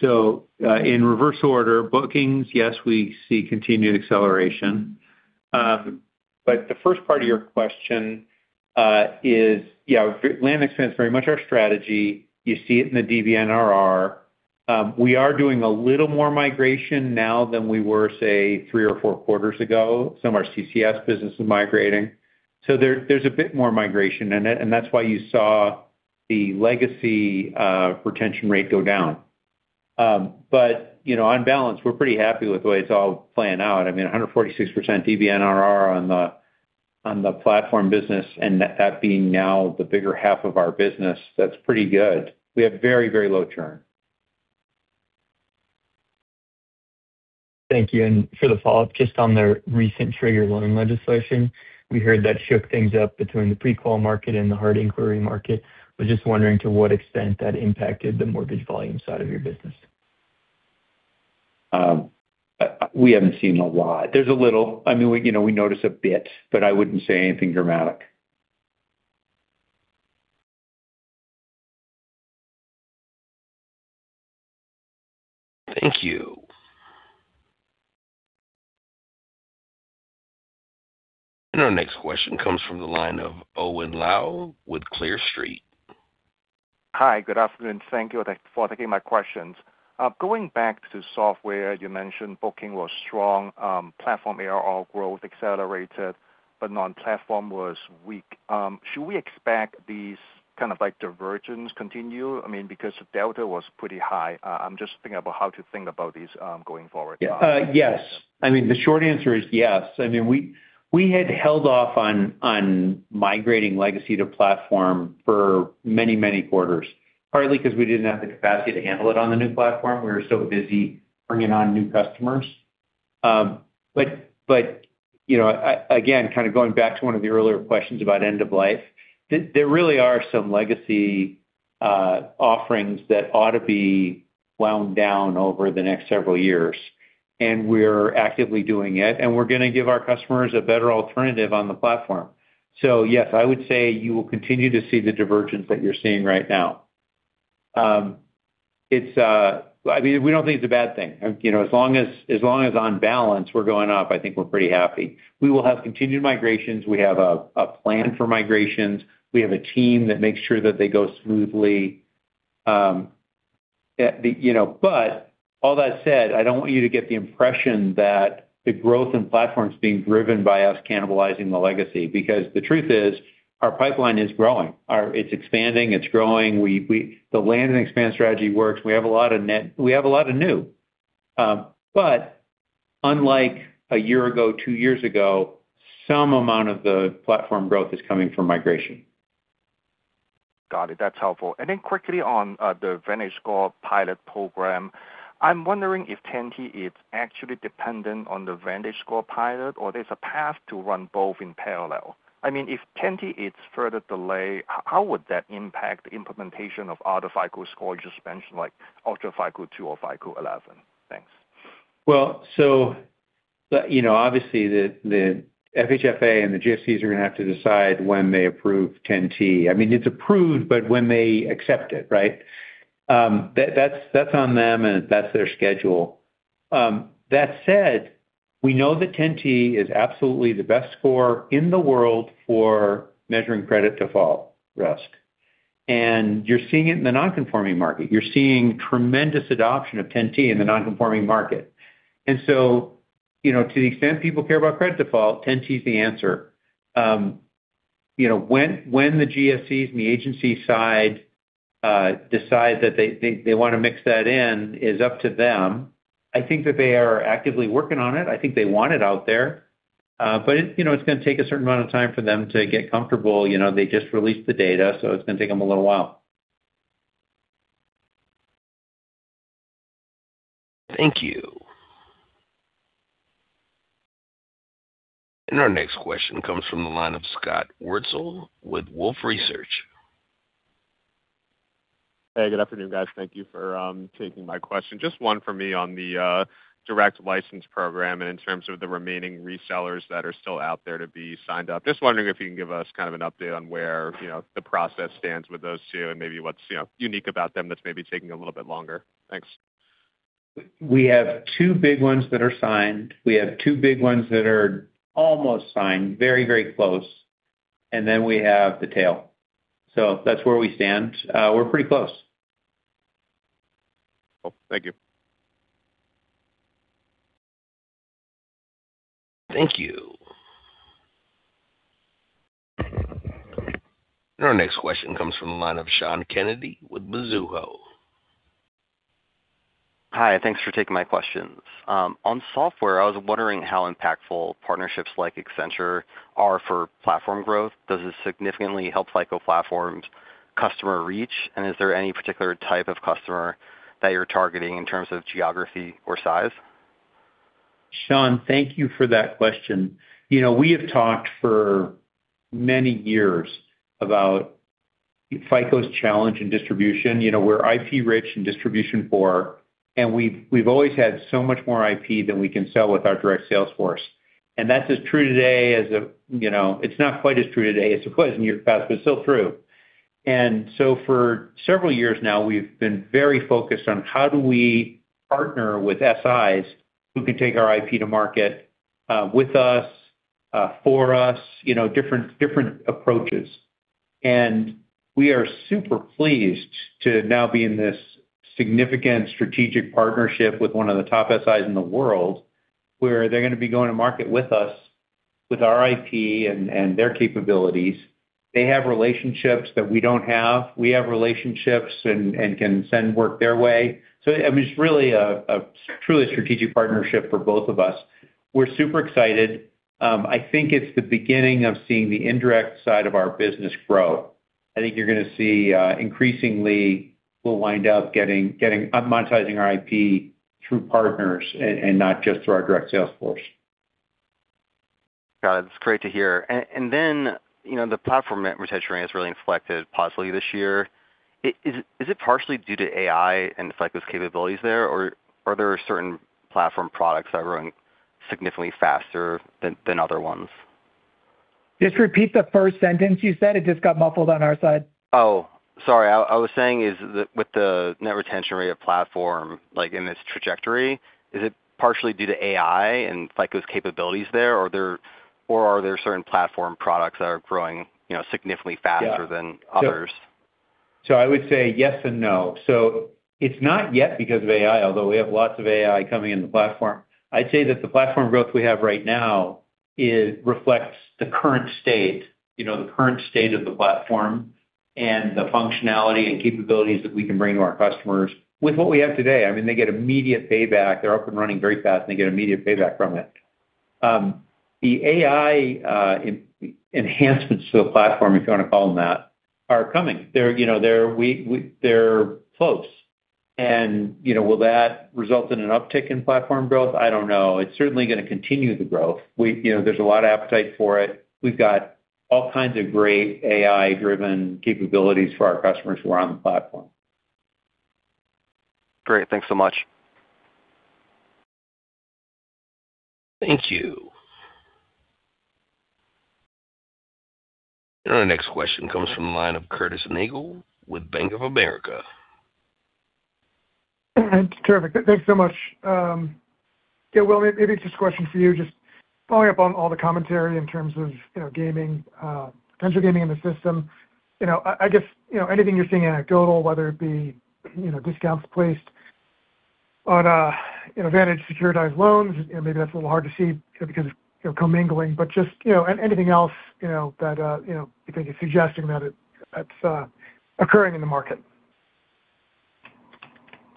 In reverse order, bookings, yes, we see continued acceleration. The first part of your question is, land expense, very much our strategy. You see it in the DBNRR. We are doing a little more migration now than we were, say, three or four quarters ago. Some of our CCS business is migrating. There's a bit more migration in it, and that's why you saw the legacy retention rate go down. On balance, we're pretty happy with the way it's all playing out. 146% DBNRR on the FICO® Platform business and that being now the bigger half of our business, that's pretty good. We have very low churn. Thank you. For the follow-up, just on the recent trigger loan legislation, we heard that shook things up between the pre-qual market and the hard inquiry market. Was just wondering to what extent that impacted the mortgage volume side of your business. We haven't seen a lot. There's a little. We notice a bit, but I wouldn't say anything dramatic. Thank you. Our next question comes from the line of Owen Lau with Clear Street. Hi, good afternoon. Thank you for taking my questions. Going back to software, you mentioned booking was strong. Platform ARR growth accelerated, but non-platform was weak. Should we expect these kind of divergence continue? Because Delta was pretty high. I'm just thinking about how to think about these going forward. Yes. The short answer is yes. We had held off on migrating legacy to platform for many quarters. Partly because we didn't have the capacity to handle it on the new platform. Again, kind of going back to one of the earlier questions about end of life, there really are some legacy offerings that ought to be wound down over the next several years, and we're actively doing it, and we're going to give our customers a better alternative on the platform. Yes, I would say you will continue to see the divergence that you're seeing right now. We don't think it's a bad thing. As long as on balance, we're going up, I think we're pretty happy. We will have continued migrations. We have a plan for migrations. We have a team that makes sure that they go smoothly. All that said, I don't want you to get the impression that the growth in platform is being driven by us cannibalizing the legacy because the truth is, our pipeline is growing. It's expanding, it's growing. The land and expand strategy works. We have a lot of new. Unlike a year ago, two years ago, some amount of the platform growth is coming from migration. Got it. That's helpful. Quickly on the VantageScore pilot program, I'm wondering if 10T is actually dependent on the VantageScore pilot, or there's a path to run both in parallel. If 10T is further delayed, how would that impact the implementation of other FICO scores you just mentioned, like UltraFICO Score or FICO 11? Thanks. Obviously the FHFA and the GSEs are going to have to decide when they approve 10T. It's approved, but when they accept it, right? That's on them and that's their schedule. That said, we know that 10T is absolutely the best score in the world for measuring credit default risk. You're seeing it in the non-conforming market. You're seeing tremendous adoption of 10T in the non-conforming market. To the extent people care about credit default, 10T is the answer. When the GSEs and the agency side decide that they want to mix that in is up to them. I think that they are actively working on it. I think they want it out there. It's going to take a certain amount of time for them to get comfortable. They just released the data, so it's going to take them a little while. Thank you. Our next question comes from the line of Scott Wurtzel with Wolfe Research. Hey, good afternoon, guys. Thank you for taking my question. Just one for me on the Direct License Program and in terms of the remaining resellers that are still out there to be signed up. Just wondering if you can give us kind of an update on where the process stands with those two and maybe what's unique about them that's maybe taking a little bit longer. Thanks. We have two big ones that are signed. We have two big ones that are almost signed, very close, and then we have the tail. That's where we stand. We're pretty close. Cool. Thank you. Thank you. Our next question comes from the line of Sean Kennedy with Mizuho. Hi, thanks for taking my questions. On software, I was wondering how impactful partnerships like Accenture are for FICO Platform growth. Does this significantly help FICO Platform's customer reach, and is there any particular type of customer that you're targeting in terms of geography or size? Sean, thank you for that question. We have talked for many years about FICO's challenge in distribution. We're IP rich in distribution poor, we've always had so much more IP than we can sell with our direct sales force. It's not quite as true today as it was in years past, but still true. For several years now, we've been very focused on how do we partner with SIs who can take our IP to market with us, for us, different approaches. We are super pleased to now be in this significant strategic partnership with one of the top SIs in the world, where they're going to be going to market with us, with our IP and their capabilities. They have relationships that we don't have. We have relationships and can send work their way. It's truly a strategic partnership for both of us. We're super excited. I think it's the beginning of seeing the indirect side of our business grow. I think you're going to see increasingly we'll wind up monetizing our IP through partners and not just through our direct sales force. Got it. That's great to hear. The FICO Platform net retention rate has really inflected positively this year. Is it partially due to AI and FICO's capabilities there? Are there certain FICO Platform products that are growing significantly faster than other ones? Just repeat the first sentence you said. It just got muffled on our side. Oh, sorry. I was saying with the net retention rate of FICO® Platform, like in this trajectory, is it partially due to AI and FICO's capabilities there, or are there certain platform products that are growing significantly faster than others? I would say yes and no. It's not yet because of AI, although we have lots of AI coming in the FICO® Platform. I'd say that the FICO® Platform growth we have right now reflects the current state of the FICO® Platform and the functionality and capabilities that we can bring to our customers with what we have today. They get immediate payback. They're up and running very fast, and they get immediate payback from it. The AI enhancements to the FICO® Platform, if you want to call them that, are coming. They're close. Will that result in an uptick in FICO® Platform growth? I don't know. It's certainly going to continue the growth. There's a lot of appetite for it. We've got all kinds of great AI-driven capabilities for our customers who are on the FICO® Platform. Great. Thanks so much. Thank you. Our next question comes from the line of Curtis Nagle with Bank of America. Terrific. Thanks so much. Yeah, Will, maybe it's just a question for you, just following up on all the commentary in terms of potential gaming in the system. I guess, anything you're seeing anecdotal, whether it be discounts placed on VantageScore-securitized loans, maybe that's a little hard to see because of co-mingling, but just anything else that you think is suggesting that it's occurring in the market.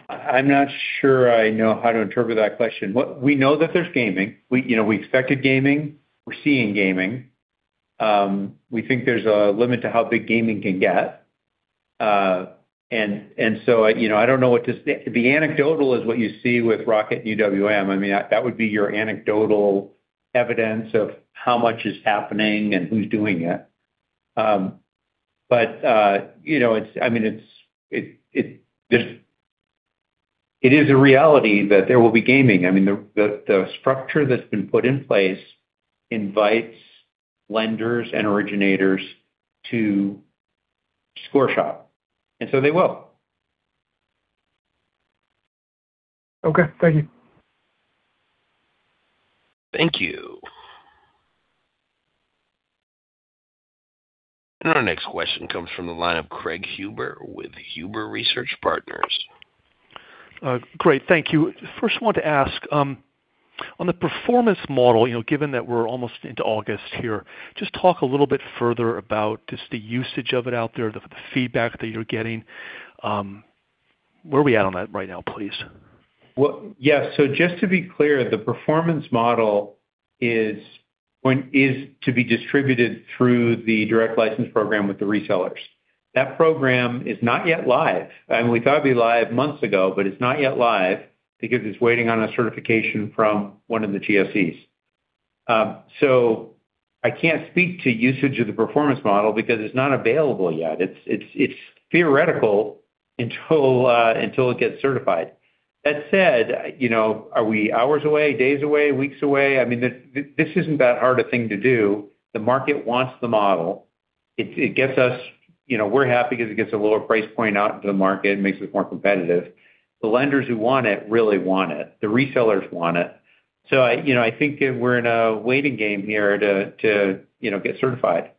I'm not sure I know how to interpret that question. We know that there's gaming. We expected gaming. We're seeing gaming. We think there's a limit to how big gaming can get. I don't know what to say. The anecdotal is what you see with Rocket UWM. That would be your anecdotal evidence of how much is happening and who's doing it. It is a reality that there will be gaming. The structure that's been put in place invites lenders and originators to score shop. They will. Okay. Thank you. Thank you. Our next question comes from the line of Craig Huber with Huber Research Partners. Great. Thank you. First I want to ask on the performance model, given that we're almost into August here, just talk a little bit further about just the usage of it out there, the feedback that you're getting. Where are we at on that right now, please? Just to be clear, the performance model is to be distributed through the Direct License Program with the resellers. That program is not yet live. We thought it'd be live months ago, but it's not yet live because it's waiting on a certification from one of the GSEs. I can't speak to usage of the performance model because it's not available yet. It's theoretical until it gets certified. That said, are we hours away, days away, weeks away? This isn't that hard a thing to do. The market wants the model. We're happy because it gets a lower price point out into the market and makes us more competitive. The lenders who want it really want it. The resellers want it. I think we're in a waiting game here to get certified.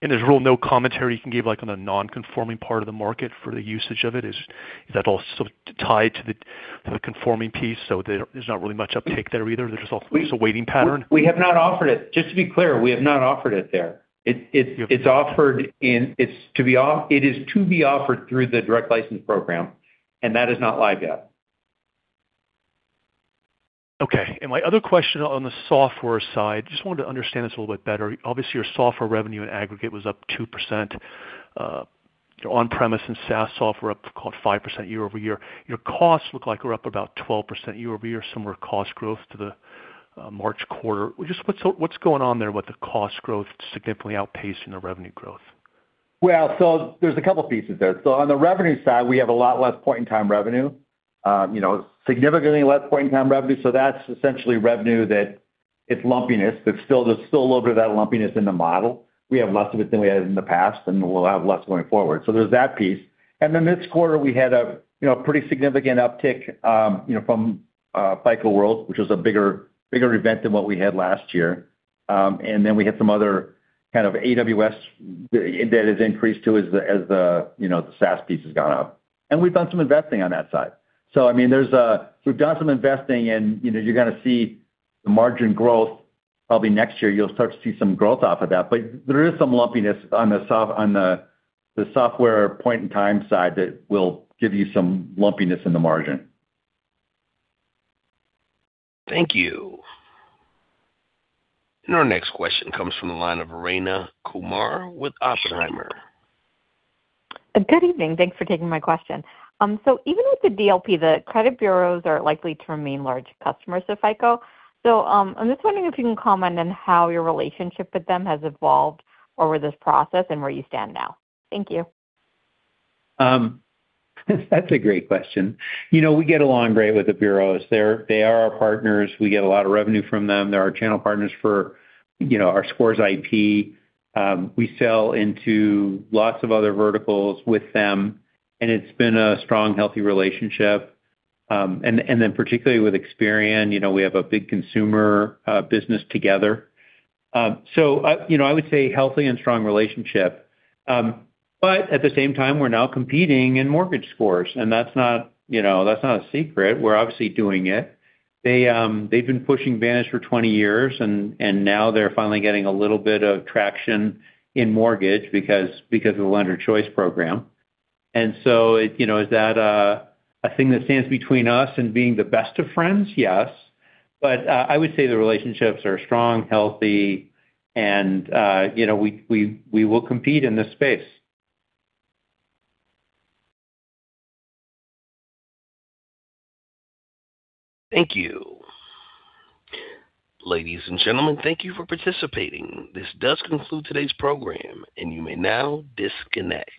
There's really no commentary you can give on the non-conforming part of the market for the usage of it? Is that all tied to the conforming piece there's not really much uptake there either? There's a waiting pattern. We have not offered it. Just to be clear, we have not offered it there. It is to be offered through the Direct License Program, and that is not live yet. My other question on the software side, just wanted to understand this a little bit better. Obviously, your software revenue in aggregate was up 2%. Your on-premise and SaaS software up, call it 5% year-over-year. Your costs look like they're up about 12% year-over-year, similar cost growth to the March quarter. Just what's going on there with the cost growth significantly outpacing the revenue growth? There's a couple pieces there. On the revenue side, we have a lot less point-in-time revenue. Significantly less point-in-time revenue, that's essentially revenue that it's lumpiness, but there's still a little bit of that lumpiness in the model. We have less of it than we had in the past, and we'll have less going forward. There's that piece. Then this quarter, we had a pretty significant uptick from FICO World, which was a bigger event than what we had last year. Then we had some other kind of AWS that has increased too as the SaaS piece has gone up. We've done some investing on that side. We've done some investing, and you're going to see the margin growth probably next year. You'll start to see some growth off of that. There is some lumpiness on the software point-in-time side that will give you some lumpiness in the margin. Thank you. Our next question comes from the line of Rayna Kumar with Oppenheimer. Good evening. Thanks for taking my question. Even with the DLP, the credit bureaus are likely to remain large customers of FICO. I'm just wondering if you can comment on how your relationship with them has evolved over this process and where you stand now. Thank you. That's a great question. We get along great with the bureaus. They are our partners. We get a lot of revenue from them. They're our channel partners for our Scores IP. We sell into lots of other verticals with them, it's been a strong, healthy relationship. Particularly with Experian, we have a big consumer business together. I would say healthy and strong relationship. At the same time, we're now competing in mortgage scores, that's not a secret. We're obviously doing it. They've been pushing VantageScore for 20 years, now they're finally getting a little bit of traction in mortgage because of the Lender Choice program. Is that a thing that stands between us and being the best of friends? Yes. I would say the relationships are strong, healthy, and we will compete in this space. Thank you. Ladies and gentlemen, thank you for participating. This does conclude today's program, and you may now disconnect.